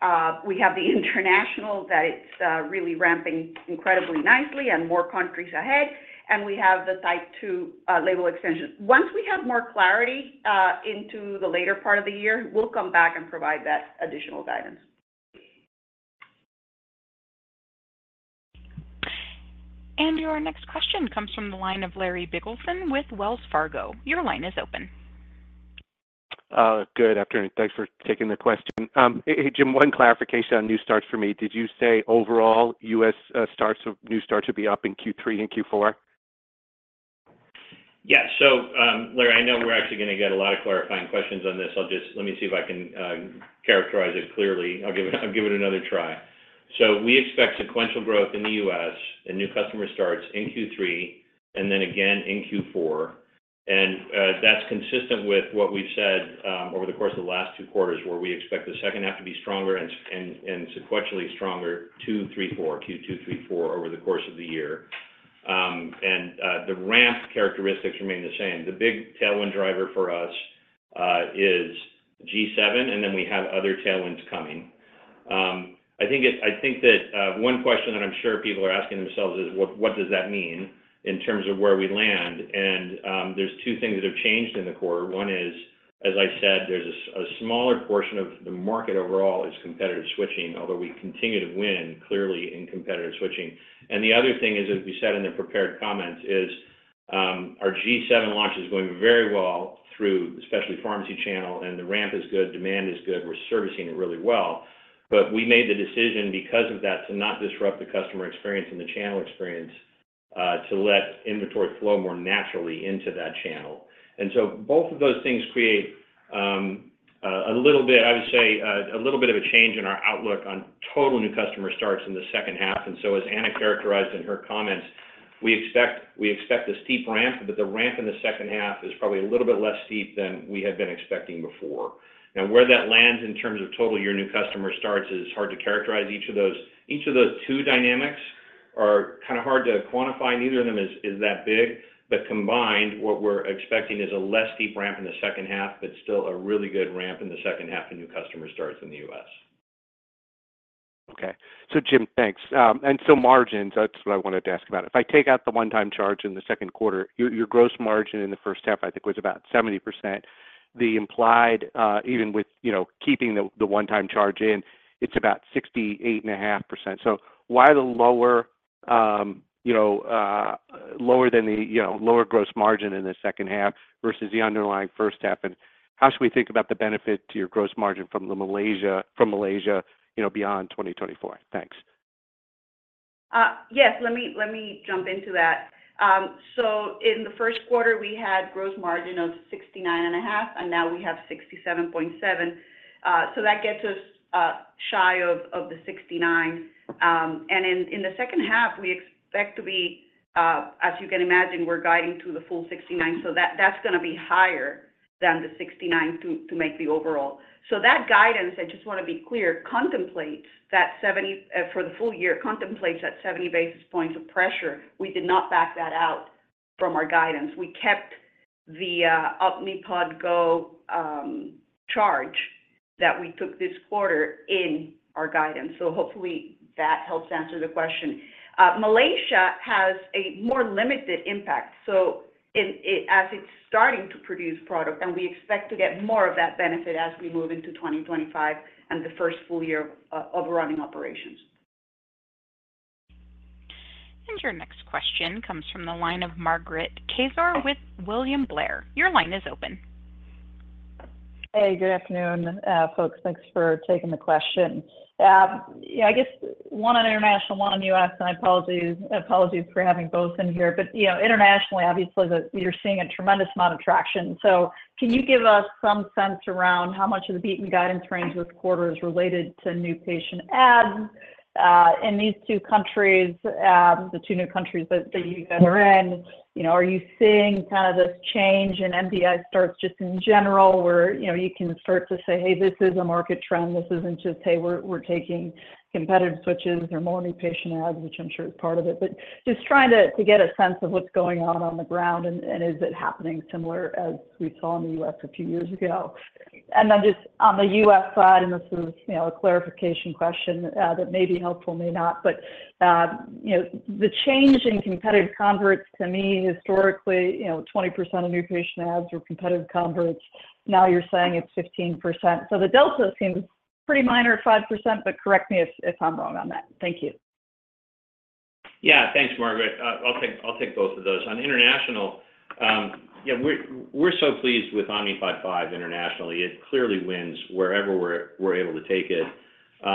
Plus, we have the international that it's really ramping incredibly nicely and more countries ahead, and we have the type 2 label extension. Once we have more clarity into the later part of the year, we'll come back and provide that additional guidance. Your next question comes from the line of Larry Biegelsen with Wells Fargo. Your line is open. Good afternoon. Thanks for taking the question. Hey, Jim, one clarification on new starts for me. Did you say overall U.S. new starts would be up in Q3 and Q4? Yeah. So, Larry, I know we're actually going to get a lot of clarifying questions on this. I'll just... Let me see if I can characterize it clearly. I'll give it, I'll give it another try. So we expect sequential growth in the US and new customer starts in Q3 and then again in Q4. And that's consistent with what we've said over the course of the last two quarters, where we expect the second half to be stronger and sequentially stronger, 2, 3, 4, Q 2, 3, 4 over the course of the year. And the ramp characteristics remain the same. The big tailwind driver for us is G7, and then we have other tailwinds coming. I think that one question that I'm sure people are asking themselves is: what, what does that mean in terms of where we land? And there's two things that have changed in the quarter. One is, as I said, there's a smaller portion of the market overall is competitive switching, although we continue to win clearly in competitive switching. And the other thing is, as we said in the prepared comments, our G7 launch is going very well through the specialty pharmacy channel, and the ramp is good, demand is good, we're servicing it really well. But we made the decision because of that, to not disrupt the customer experience and the channel experience, to let inventory flow more naturally into that channel. Both of those things create a little bit, I would say, a little bit of a change in our outlook on total new customer starts in the second half. So as Ana characterized in her comments, we expect, we expect a steep ramp, but the ramp in the second half is probably a little bit less steep than we had been expecting before. Now, where that lands in terms of total year new customer starts is hard to characterize. Each of those two dynamics are kind of hard to quantify. Neither of them is that big, but combined, what we're expecting is a less steep ramp in the second half, but still a really good ramp in the second half of new customer starts in the U.S. Okay. So Jim, thanks. And so margins, that's what I wanted to ask about. If I take out the one-time charge in the second quarter, your gross margin in the first half, I think, was about 70%. The implied, even with, you know, keeping the one-time charge in, it's about 68.5%. So why the lower, you know, lower gross margin in the second half versus the underlying first half? And how should we think about the benefit to your gross margin from Malaysia, you know, beyond 2024? Thanks. Yes, let me, let me jump into that. So in the first quarter, we had gross margin of 69.5%, and now we have 67.7%. So that gets us shy of the 69%. And in the second half, we expect to be, as you can imagine, we're guiding to the full 69%, so that's gonna be higher than the 69% to make the overall. So that guidance, I just want to be clear, contemplates that 70 basis points of pressure for the full year. We did not back that out from our guidance. We kept the Omnipod GO charge that we took this quarter in our guidance. So hopefully that helps answer the question. Malaysia has a more limited impact, so as it's starting to produce product, and we expect to get more of that benefit as we move into 2025 and the first full year of running operations. Your next question comes from the line of Margaret Kaczor with William Blair. Your line is open. Hey, good afternoon, folks. Thanks for taking the question. Yeah, I guess one on international, one on U.S., and I apologize for having both in here. But, you know, internationally, obviously, you're seeing a tremendous amount of traction. So can you give us some sense around how much of the beaten guidance range this quarter is related to new patient adds in these two countries, the two new countries that you guys are in? You know, are you seeing kind of this change in MDI starts just in general, where, you know, you can start to say, "Hey, this is a market trend. This isn't just, Hey, we're taking competitive switches or more new patient adds," which I'm sure is part of it. But just trying to get a sense of what's going on on the ground, and is it happening similar as we saw in the US a few years ago? And then just on the US side, and this is, you know, a clarification question that may be helpful, may not. But, you know, the change in competitive converts to me historically, you know, 20% of new patient adds were competitive converts. Now you're saying it's 15%. So the delta seems pretty minor at 5%, but correct me if I'm wrong on that. Thank you. Yeah. Thanks, Margaret. I'll take, I'll take both of those. On international, yeah, we're, we're so pleased with Omnipod 5 internationally. It clearly wins wherever we're, we're able to take it.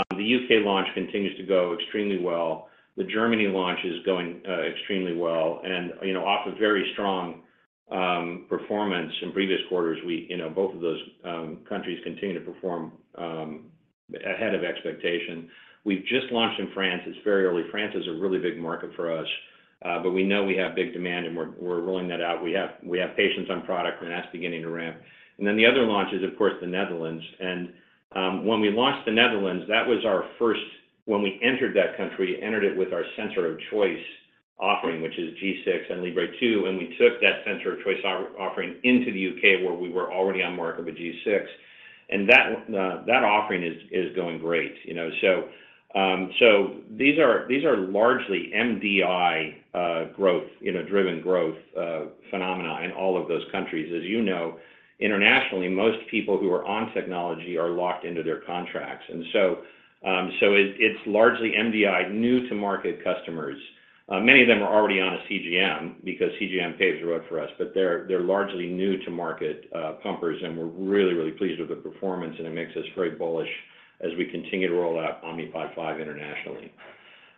The UK launch continues to go extremely well. The Germany launch is going extremely well, and, you know, off a very strong performance in previous quarters, we, you know, both of those countries continue to perform ahead of expectation. We've just launched in France. It's very early. France is a really big market for us, but we know we have big demand, and we're, we're rolling that out. We have, we have patients on product, and that's beginning to ramp. And then the other launch is, of course, the Netherlands. And when we launched the Netherlands, that was our first—when we entered that country, entered it with our center of choice offering, which is G6 and Libre 2, and we took that sensor of choice offering into the UK, where we were already on market with G6, and that offering is going great. You know, so these are these are largely MDI growth, you know, driven growth phenomena in all of those countries. As you know, internationally, most people who are on technology are locked into their contracts. And so, so it, it's largely MDI, new to market customers. Many of them are already on a CGM, because CGM paves the road for us, but they're, they're largely new to market, pumpers, and we're really, really pleased with the performance, and it makes us very bullish as we continue to roll out Omnipod 5 internationally.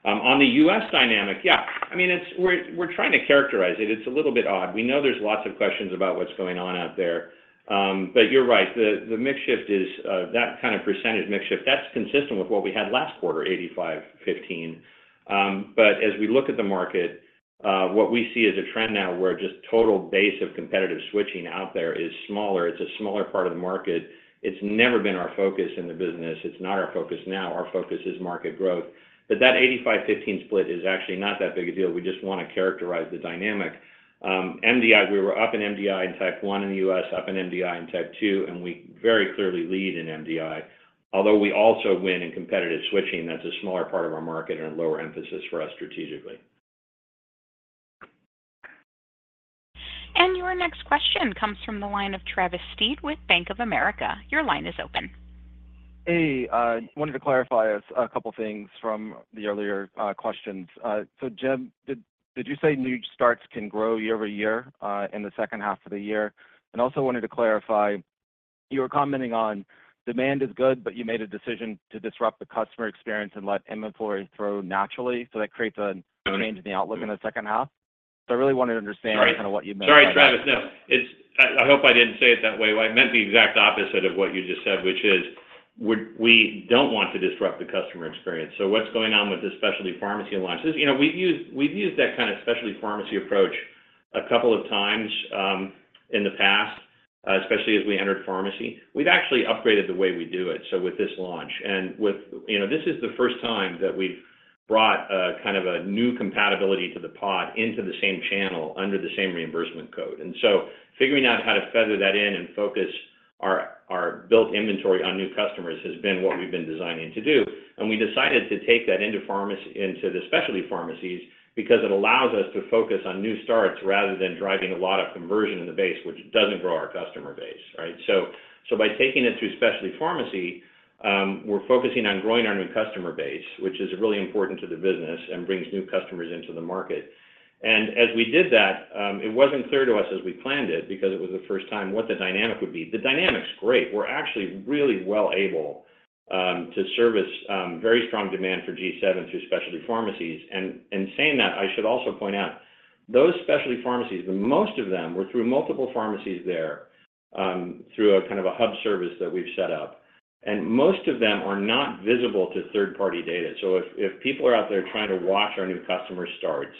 On the US dynamic, yeah, I mean, it's. We're, we're trying to characterize it. It's a little bit odd. We know there's lots of questions about what's going on out there, but you're right. The, the mix shift is, that kind of percentage mix shift, that's consistent with what we had last quarter, 85-15. But as we look at the market, what we see as a trend now where just total base of competitive switching out there is smaller. It's a smaller part of the market. It's never been our focus in the business. It's not our focus now. Our focus is market growth. But that 85/15 split is actually not that big a deal. We just wanna characterize the dynamic. MDI, we were up in MDI in Type 1 in the US, up in MDI in Type 2, and we very clearly lead in MDI, although we also win in competitive switching. That's a smaller part of our market and a lower emphasis for us strategically.... And your next question comes from the line of Travis Steed with Bank of America. Your line is open. Hey, wanted to clarify a couple things from the earlier questions. So Jim, did you say new starts can grow year over year in the second half of the year? And also wanted to clarify, you were commenting on demand is good, but you made a decision to disrupt the customer experience and let inventory grow naturally, so that creates a change in the outlook in the second half. So I really wanted to understand- Sorry. Kind of what you meant by that. Sorry, Travis, no. It's. I, I hope I didn't say it that way. Well, I meant the exact opposite of what you just said, which is we, we don't want to disrupt the customer experience. So what's going on with the specialty pharmacy launch is, you know, we've used, we've used that kind of specialty pharmacy approach a couple of times in the past, especially as we entered pharmacy. We've actually upgraded the way we do it, so with this launch. And with, you know, this is the first time that we've brought a kind of a new compatibility to the pod into the same channel, under the same reimbursement code. And so figuring out how to feather that in and focus our, our built inventory on new customers has been what we've been designing to do. And we decided to take that into pharmacy, into the specialty pharmacies, because it allows us to focus on new starts rather than driving a lot of conversion in the base, which doesn't grow our customer base, right? So, so by taking it through specialty pharmacy, we're focusing on growing our new customer base, which is really important to the business and brings new customers into the market. And as we did that, it wasn't clear to us as we planned it, because it was the first time, what the dynamic would be. The dynamic's great. We're actually really well able to service very strong demand for G7 through specialty pharmacies. And, and saying that, I should also point out, those specialty pharmacies, most of them were through multiple pharmacies there, through a kind of a hub service that we've set up. And most of them are not visible to third-party data. So if people are out there trying to watch our new customer starts,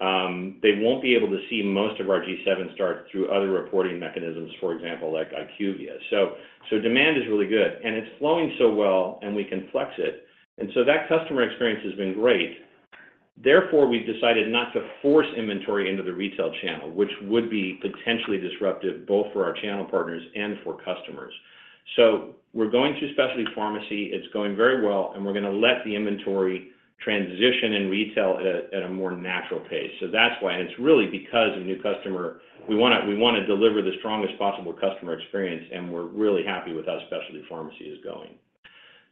they won't be able to see most of our G7 starts through other reporting mechanisms, for example, like IQVIA. So demand is really good, and it's flowing so well, and we can flex it, and so that customer experience has been great. Therefore, we've decided not to force inventory into the retail channel, which would be potentially disruptive, both for our channel partners and for customers. So we're going through specialty pharmacy; it's going very well, and we're gonna let the inventory transition in retail at a more natural pace. So that's why, and it's really because of new customer. We wanna deliver the strongest possible customer experience, and we're really happy with how specialty pharmacy is going.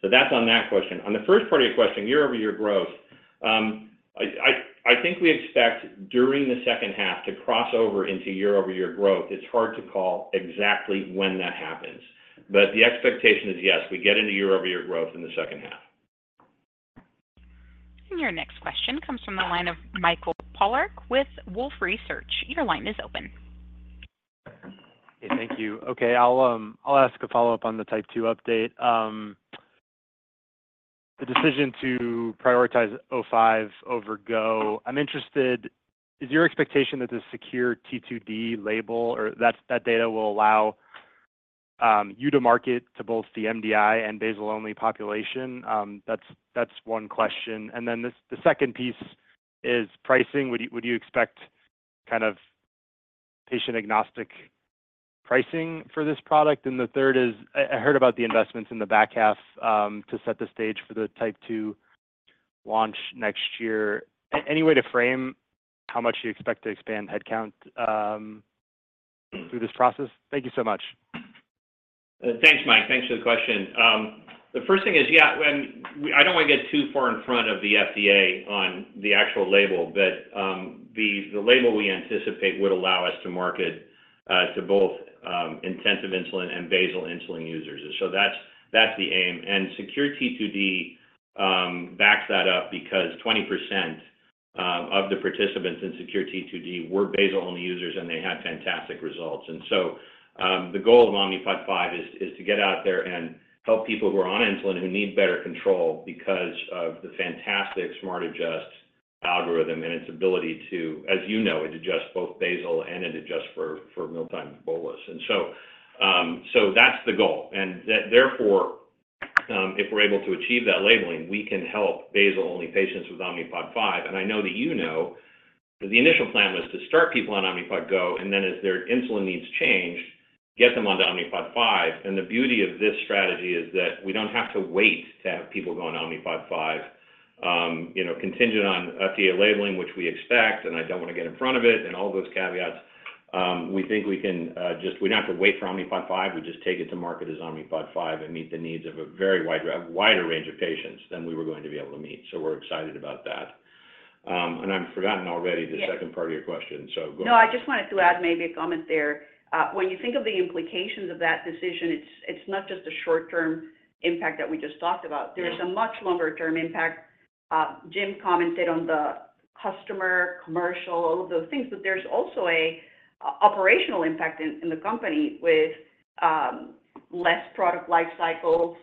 So that's on that question. On the first part of your question, year-over-year growth, I think we expect during the second half to cross over into year-over-year growth. It's hard to call exactly when that happens, but the expectation is, yes, we get into year-over-year growth in the second half. Your next question comes from the line of Michael Polark with Wolfe Research. Your line is open. Hey, thank you. Okay, I'll ask a follow-up on the Type 2 update. The decision to prioritize Omnipod 5 over Go, I'm interested, is your expectation that the SECURE-T2D label or that, that data will allow you to market to both the MDI and basal-only population? That's one question. And then the second piece is pricing. Would you expect kind of patient-agnostic pricing for this product? And the third is, I heard about the investments in the back half to set the stage for the Type 2 launch next year. Any way to frame how much you expect to expand headcount through this process? Thank you so much. Thanks, Mike. Thanks for the question. The first thing is, yeah, I don't want to get too far in front of the FDA on the actual label, but the label we anticipate would allow us to market to both intensive insulin and basal insulin users. So that's the aim. And SECURE-T2D backs that up because 20% of the participants in SECURE-T2D were basal-only users, and they had fantastic results. And so, the goal of Omnipod 5 is to get out there and help people who are on insulin who need better control because of the fantastic SmartAdjust algorithm and its ability to, as you know, adjust both basal and it adjusts for mealtime bolus. And so, so that's the goal. That therefore, if we're able to achieve that labeling, we can help basal-only patients with Omnipod 5. I know that you know, that the initial plan was to start people on Omnipod GO, and then as their insulin needs change, get them onto Omnipod 5. The beauty of this strategy is that we don't have to wait to have people go on Omnipod 5. You know, contingent on FDA labeling, which we expect, and I don't wanna get in front of it, and all those caveats, we think we can, just-- we don't have to wait for Omnipod 5. We just take it to market as Omnipod 5 and meet the needs of a very wider, wider range of patients than we were going to be able to meet. So we're excited about that. I've forgotten already the second part of your question, so go ahead. No, I just wanted to add maybe a comment there. When you think of the implications of that decision, it's not just a short-term impact that we just talked about. Yeah. There is a much longer term impact. Jim commented on the customer, commercial, all of those things, but there's also a operational impact in the company with less product life cycles,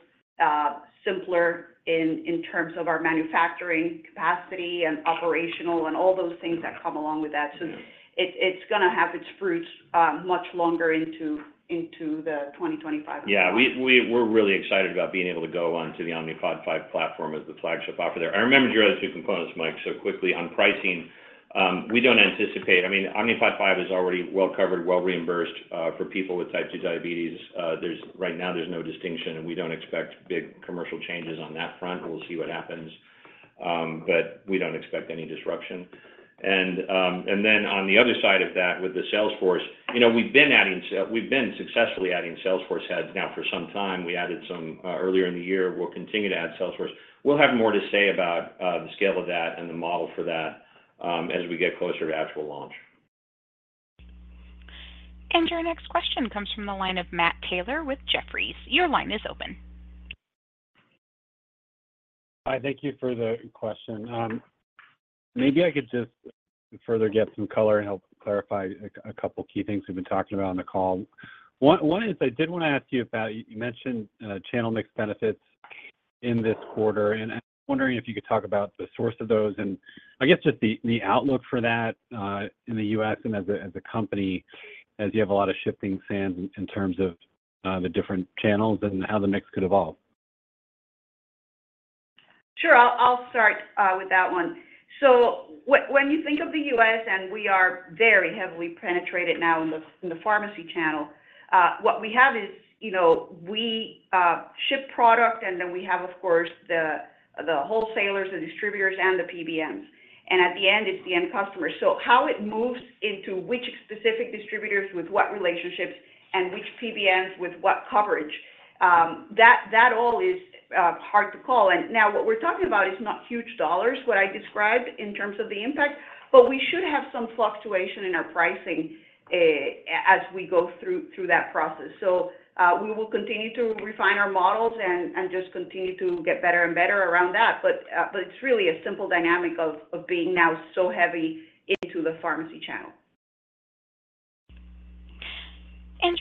simpler in terms of our manufacturing capacity and operational and all those things that come along with that. Yeah. So it's gonna have its fruits much longer into 2025. Yeah, we're really excited about being able to go on to the Omnipod 5 platform as the flagship offer there. I remembered your other two components, Mike. So quickly, on pricing, we don't anticipate, I mean, Omnipod 5 is already well-covered, well-reimbursed, for people with type 2 diabetes. Right now, there's no distinction, and we don't expect big commercial changes on that front. We'll see what happens, but we don't expect any disruption. And then on the other side of that, with the sales force, you know, we've been successfully adding sales force heads now for some time. We added some earlier in the year. We'll continue to add sales force. We'll have more to say about the scale of that and the model for that as we get closer to actual launch. Your next question comes from the line of Matt Taylor with Jefferies. Your line is open. Hi, thank you for the question. Maybe I could just further get some color and help clarify a couple key things we've been talking about on the call. One is I did wanna ask you about, you mentioned channel mix benefits in this quarter, and I'm wondering if you could talk about the source of those and I guess just the outlook for that in the U.S. and as a company, as you have a lot of shifting sands in terms of the different channels and how the mix could evolve. Sure. I'll start with that one. So when you think of the U.S., and we are very heavily penetrated now in the pharmacy channel, what we have is, you know, we ship product, and then we have, of course, the wholesalers, the distributors, and the PBMs. And at the end, it's the end customer. So how it moves into which specific distributors with what relationships and which PBMs with what coverage, that all is hard to call. And now what we're talking about is not huge dollars, what I described in terms of the impact, but we should have some fluctuation in our pricing, as we go through that process. So we will continue to refine our models and just continue to get better and better around that. But it's really a simple dynamic of being now so heavy into the Pharmacy Channel.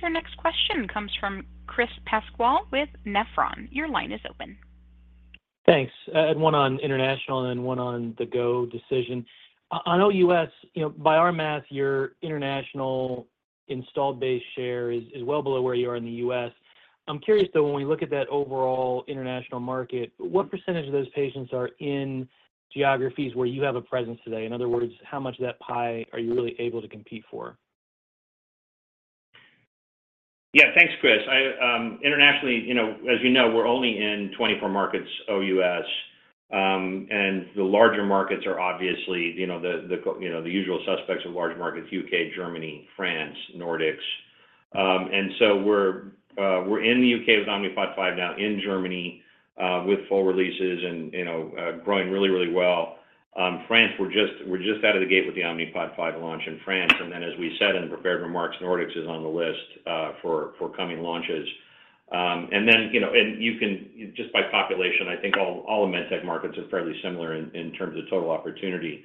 Your next question comes from Chris Pasquale with Nephron. Your line is open. Thanks. I had one on international and one on the go decision. I know U.S., you know, by our math, your international installed base share is, is well below where you are in the U.S. I'm curious, though, when we look at that overall international market, what percentage of those patients are in geographies where you have a presence today? In other words, how much of that pie are you really able to compete for? Yeah, thanks, Chris. I, internationally, you know, as you know, we're only in 24 markets, OUS. And the larger markets are obviously, you know, the usual suspects of large markets, UK, Germany, France, Nordics. And so we're in the UK with Omnipod 5 now, in Germany, with full releases and, you know, growing really, really well. France, we're just out of the gate with the Omnipod 5 launch in France. And then, as we said in prepared remarks, Nordics is on the list, for coming launches. And then, you know, just by population, I think all the medtech markets are fairly similar in terms of total opportunity.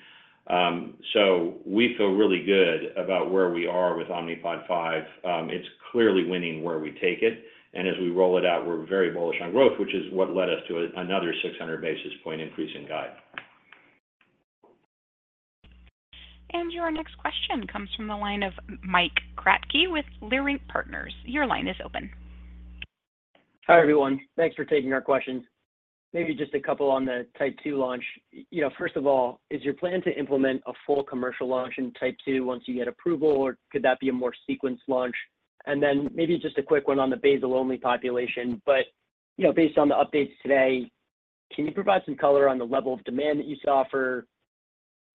So we feel really good about where we are with Omnipod 5. It's clearly winning where we take it, and as we roll it out, we're very bullish on growth, which is what led us to another 600 basis points increase in guide. Your next question comes from the line of Mike Kratky with Leerink Partners. Your line is open. Hi, everyone. Thanks for taking our questions. Maybe just a couple on the Type 2 launch. You know, first of all, is your plan to implement a full commercial launch in Type 2 once you get approval, or could that be a more sequenced launch? And then maybe just a quick one on the basal-only population, but, you know, based on the updates today, can you provide some color on the level of demand that you saw for,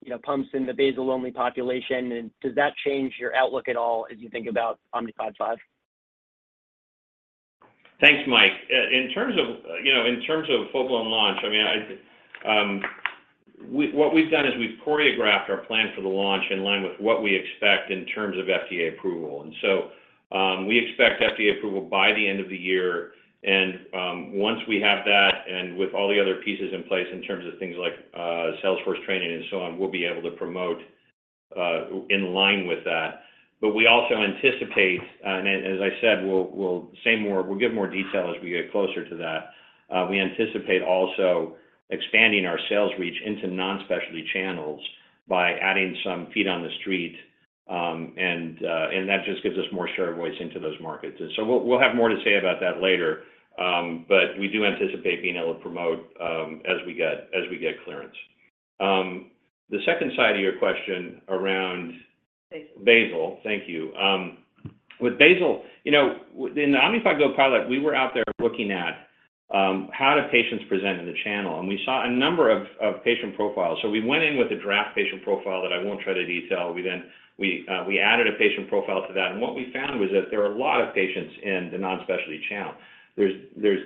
you know, pumps in the basal-only population? And does that change your outlook at all as you think about Omnipod 5? Thanks, Mike. In terms of, you know, in terms of full-blown launch, I mean, what we've done is we've choreographed our plan for the launch in line with what we expect in terms of FDA approval. And so, we expect FDA approval by the end of the year, and, once we have that, and with all the other pieces in place in terms of things like, sales force training and so on, we'll be able to promote, in line with that. But we also anticipate, and as I said, we'll, we'll say more, we'll give more detail as we get closer to that. We anticipate also expanding our sales reach into non-specialty channels by adding some feet on the street, and, and that just gives us more share of voice into those markets. So we'll have more to say about that later, but we do anticipate being able to promote, as we get clearance. The second side of your question around- Basal. Basal. Thank you. With basal, you know, in the Omnipod GO pilot, we were out there looking at how do patients present in the channel? And we saw a number of patient profiles. So we went in with a draft patient profile that I won't try to detail. We then we added a patient profile to that, and what we found was that there are a lot of patients in the non-specialty channel. There's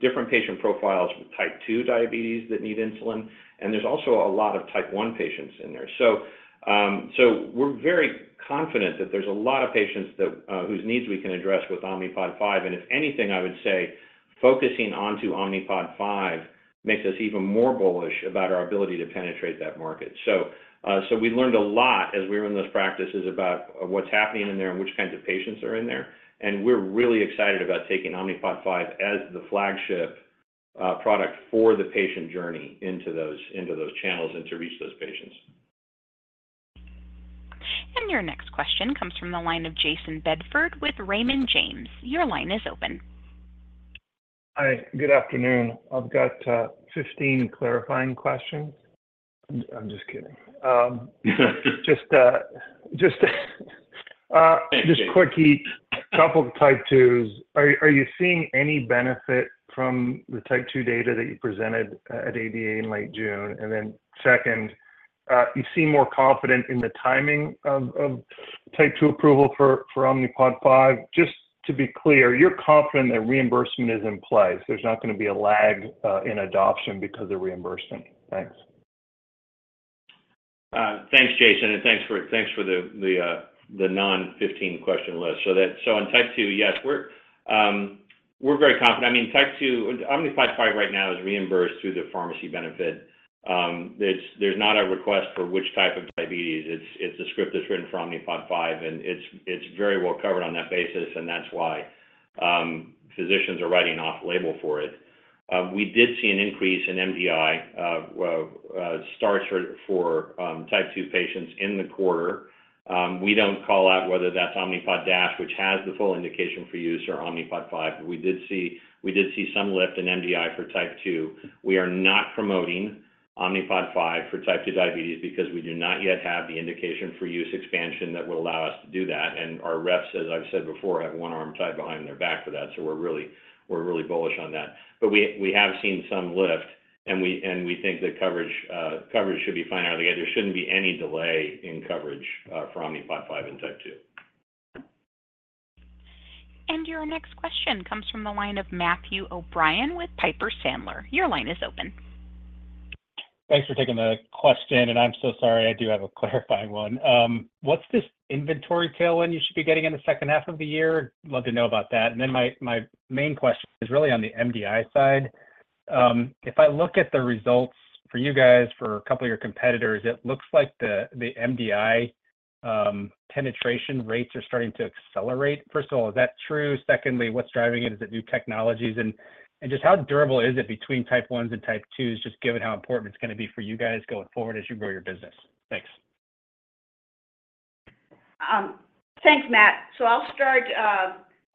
different patient profiles with type 2 diabetes that need insulin, and there's also a lot of type 1 patients in there. So we're very confident that there's a lot of patients that whose needs we can address with Omnipod 5. And if anything, I would say focusing onto Omnipod 5 makes us even more bullish about our ability to penetrate that market. So, so we learned a lot as we were in those practices about what's happening in there and which kinds of patients are in there, and we're really excited about taking Omnipod 5 as the flagship, product for the patient journey into those, into those channels and to reach those patients. Your next question comes from the line of Jayson Bedford with Raymond James. Your line is open.... Hi, good afternoon. I've got 15 clarifying questions. I'm just kidding. Just a quickie. Couple of type twos. Are you seeing any benefit from the type two data that you presented at ADA in late June? And then second, you seem more confident in the timing of type two approval for Omnipod 5. Just to be clear, you're confident that reimbursement is in place. There's not going to be a lag in adoption because of reimbursement. Thanks. Thanks, Jason, and thanks for the non-15 question list. So on type 2, yes, we're very confident. I mean, type 2, Omnipod 5 right now is reimbursed through the pharmacy benefit. There's not a request for which type of diabetes. It's a script that's written for Omnipod 5, and it's very well covered on that basis, and that's why physicians are writing off-label for it. We did see an increase in MDI, well, starts for type 2 patients in the quarter. We don't call out whether that's Omnipod DASH, which has the full indication for use, or Omnipod 5, but we did see some lift in MDI for type 2. We are not promoting Omnipod 5 for type 2 diabetes because we do not yet have the indication for use expansion that would allow us to do that. Our reps, as I've said before, have one arm tied behind their back for that, so we're really, we're really bullish on that. But we have seen some lift, and we think that coverage should be fine out of the gate. There shouldn't be any delay in coverage for Omnipod 5 in type 2. Your next question comes from the line of Matthew O'Brien with Piper Sandler. Your line is open. Thanks for taking the question, and I'm so sorry, I do have a clarifying one. What's this inventory tailwind you should be getting in the second half of the year? Love to know about that. And then my main question is really on the MDI side. If I look at the results for you guys, for a couple of your competitors, it looks like the MDI penetration rates are starting to accelerate. First of all, is that true? Secondly, what's driving it? Is it new technologies? And just how durable is it between type ones and type twos, just given how important it's going to be for you guys going forward as you grow your business? Thanks. Thanks, Matt. So I'll start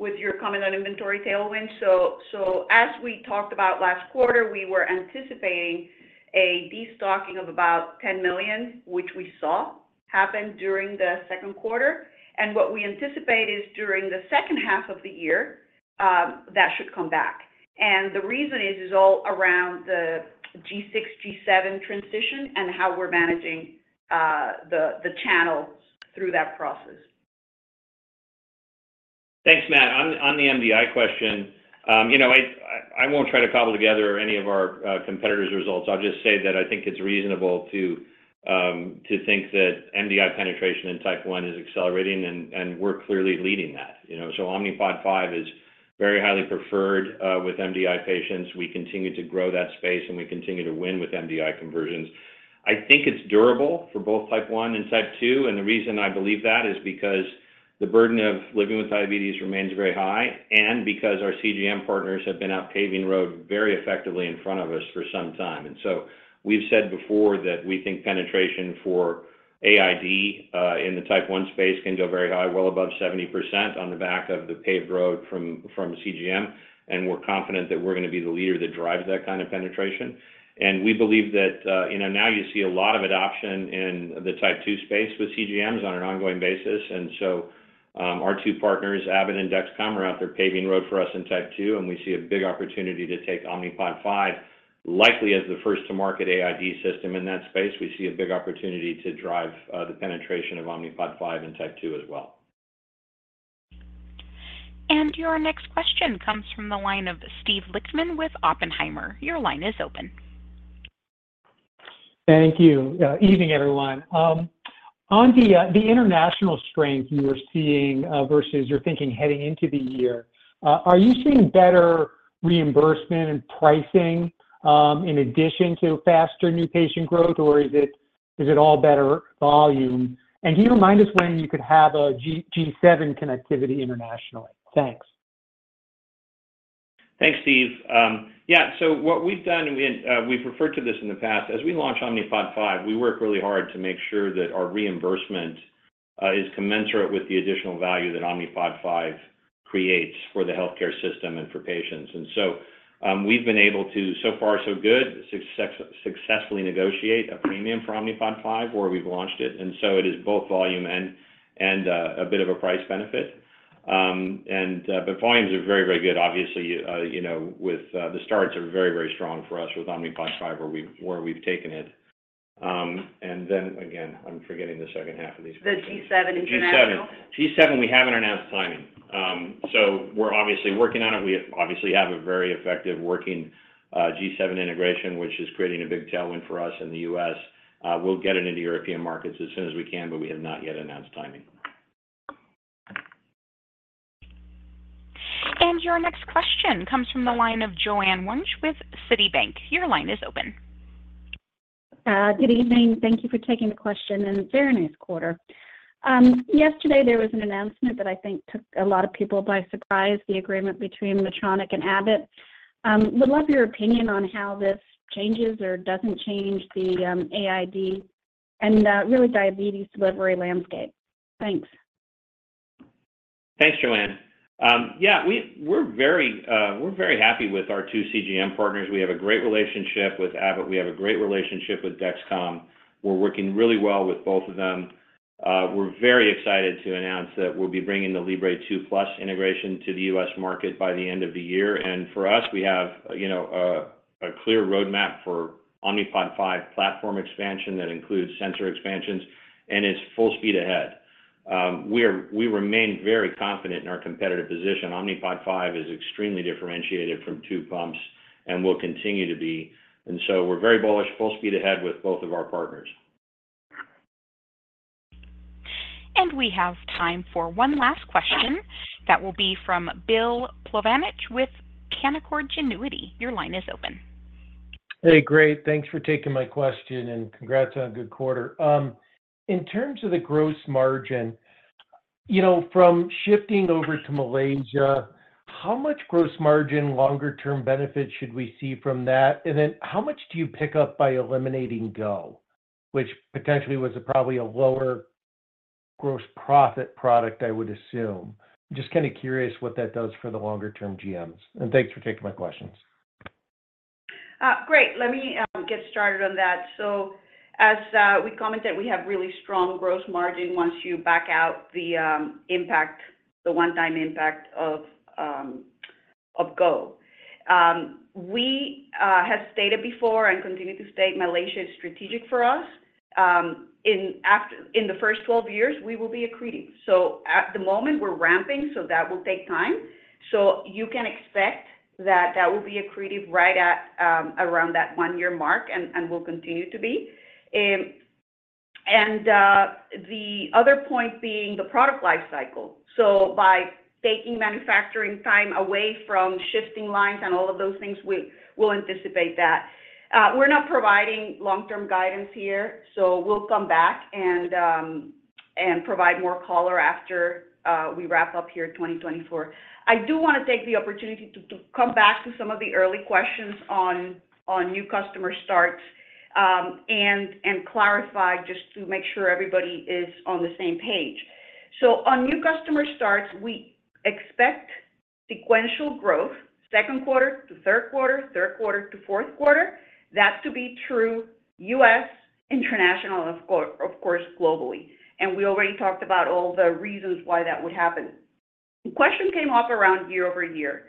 with your comment on inventory tailwind. So as we talked about last quarter, we were anticipating a destocking of about $10 million, which we saw happen during the second quarter. And what we anticipate is during the second half of the year, that should come back. And the reason is all around the G6, G7 transition and how we're managing the channels through that process. Thanks, Matt. On the MDI question, you know, I won't try to cobble together any of our competitors' results. I'll just say that I think it's reasonable to think that MDI penetration in type one is accelerating, and we're clearly leading that. You know, so Omnipod 5 is very highly preferred with MDI patients. We continue to grow that space, and we continue to win with MDI conversions. I think it's durable for both type one and type two, and the reason I believe that is because the burden of living with diabetes remains very high, and because our CGM partners have been out paving road very effectively in front of us for some time. We've said before that we think penetration for AID in the type 1 space can go very high, well above 70% on the back of the paved road from CGM. We're confident that we're going to be the leader that drives that kind of penetration. We believe that, you know, now you see a lot of adoption in the type 2 space with CGMs on an ongoing basis. Our two partners, Abbott and Dexcom, are out there paving road for us in type 2, and we see a big opportunity to take Omnipod 5, likely as the first to market AID system in that space. We see a big opportunity to drive the penetration of Omnipod 5 in type 2 as well. Your next question comes from the line of Steve Lichtman with Oppenheimer. Your line is open. Thank you. Evening, everyone. On the international strength you were seeing versus your thinking heading into the year, are you seeing better reimbursement and pricing in addition to faster new patient growth, or is it all better volume? And can you remind us when you could have a G7 connectivity internationally? Thanks. Thanks, Steve. Yeah, so what we've done, and we've referred to this in the past, as we launch Omnipod 5, we work really hard to make sure that our reimbursement is commensurate with the additional value that Omnipod 5 creates for the healthcare system and for patients. And so, we've been able to, so far so good, successfully negotiate a premium for Omnipod 5, where we've launched it. And so it is both volume and a bit of a price benefit. But volumes are very, very good. Obviously, you know, with the starts are very, very strong for us with Omnipod 5, where we've taken it. And then again, I'm forgetting the second half of this. The G7 international. G7. G7, we haven't announced timing. So we're obviously working on it. We obviously have a very effective working G7 integration, which is creating a big tailwind for us in the US. We'll get it into European markets as soon as we can, but we have not yet announced timing. Your next question comes from the line of Joanne Wuensch with Citibank. Your line is open. Good evening. Thank you for taking the question, and a very nice quarter. Yesterday, there was an announcement that I think took a lot of people by surprise, the agreement between Medtronic and Abbott. Would love your opinion on how this changes or doesn't change the AID and really diabetes delivery landscape. Thanks.... Thanks, Joanne. Yeah, we're very happy with our two CGM partners. We have a great relationship with Abbott. We have a great relationship with Dexcom. We're working really well with both of them. We're very excited to announce that we'll be bringing the Libre 2 Plus integration to the U.S. market by the end of the year. For us, we have, you know, a clear roadmap for Omnipod 5 platform expansion that includes sensor expansions, and it's full speed ahead. We remain very confident in our competitive position. Omnipod 5 is extremely differentiated from tubed pumps and will continue to be. So we're very bullish, full speed ahead with both of our partners. We have time for one last question. That will be from Bill Plovanich with Canaccord Genuity. Your line is open. Hey, great. Thanks for taking my question, and congrats on a good quarter. In terms of the Gross Margin, you know, from shifting over to Malaysia, how much Gross Margin longer-term benefits should we see from that? And then how much do you pick up by eliminating Go, which potentially was probably a lower gross profit product, I would assume? Just kind of curious what that does for the longer-term GMs, and thanks for taking my questions. Great. Let me get started on that. So as we commented, we have really strong gross margin once you back out the impact, the one-time impact of Go. We have stated before and continue to state Malaysia is strategic for us. In the first 12 years, we will be accretive. So at the moment, we're ramping, so that will take time. So you can expect that that will be accretive right at around that 1-year mark and will continue to be. And the other point being the product life cycle. So by taking manufacturing time away from shifting lines and all of those things, we'll anticipate that. We're not providing long-term guidance here, so we'll come back and provide more color after we wrap up here in 2024. I do want to take the opportunity to come back to some of the early questions on new customer starts, and clarify just to make sure everybody is on the same page. So on new customer starts, we expect sequential growth, second quarter to third quarter, third quarter to fourth quarter. That's to be true US, international, of course, of course, globally. And we already talked about all the reasons why that would happen. The question came up around year-over-year,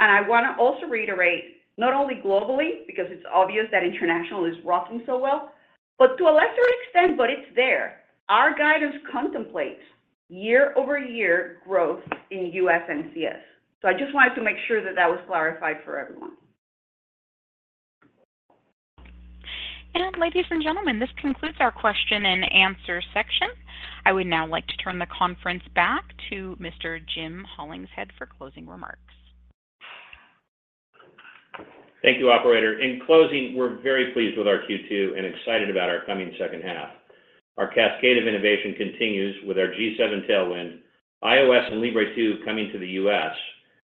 and I want to also reiterate, not only globally, because it's obvious that international is rocking so well, but to a lesser extent, but it's there. Our guidance contemplates year-over-year growth in US NCS. So I just wanted to make sure that that was clarified for everyone. Ladies and gentlemen, this concludes our question and answer section. I would now like to turn the conference back to Mr. Jim Hollingshead for closing remarks. Thank you, operator. In closing, we're very pleased with our Q2 and excited about our coming second half. Our cascade of innovation continues with our G7 tailwind, iOS and Libre 2 coming to the US,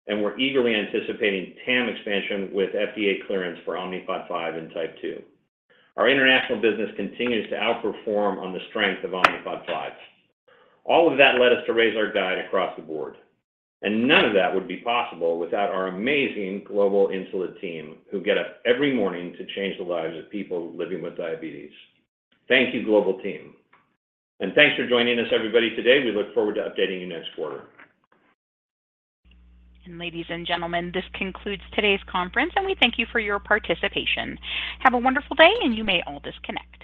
and we're eagerly anticipating TAM expansion with FDA clearance for Omnipod 5 and type 2. Our international business continues to outperform on the strength of Omnipod 5. All of that led us to raise our guide across the board, and none of that would be possible without our amazing global insulin team, who get up every morning to change the lives of people living with diabetes. Thank you, global team. And thanks for joining us, everybody, today. We look forward to updating you next quarter. Ladies and gentlemen, this concludes today's conference, and we thank you for your participation. Have a wonderful day, and you may all disconnect.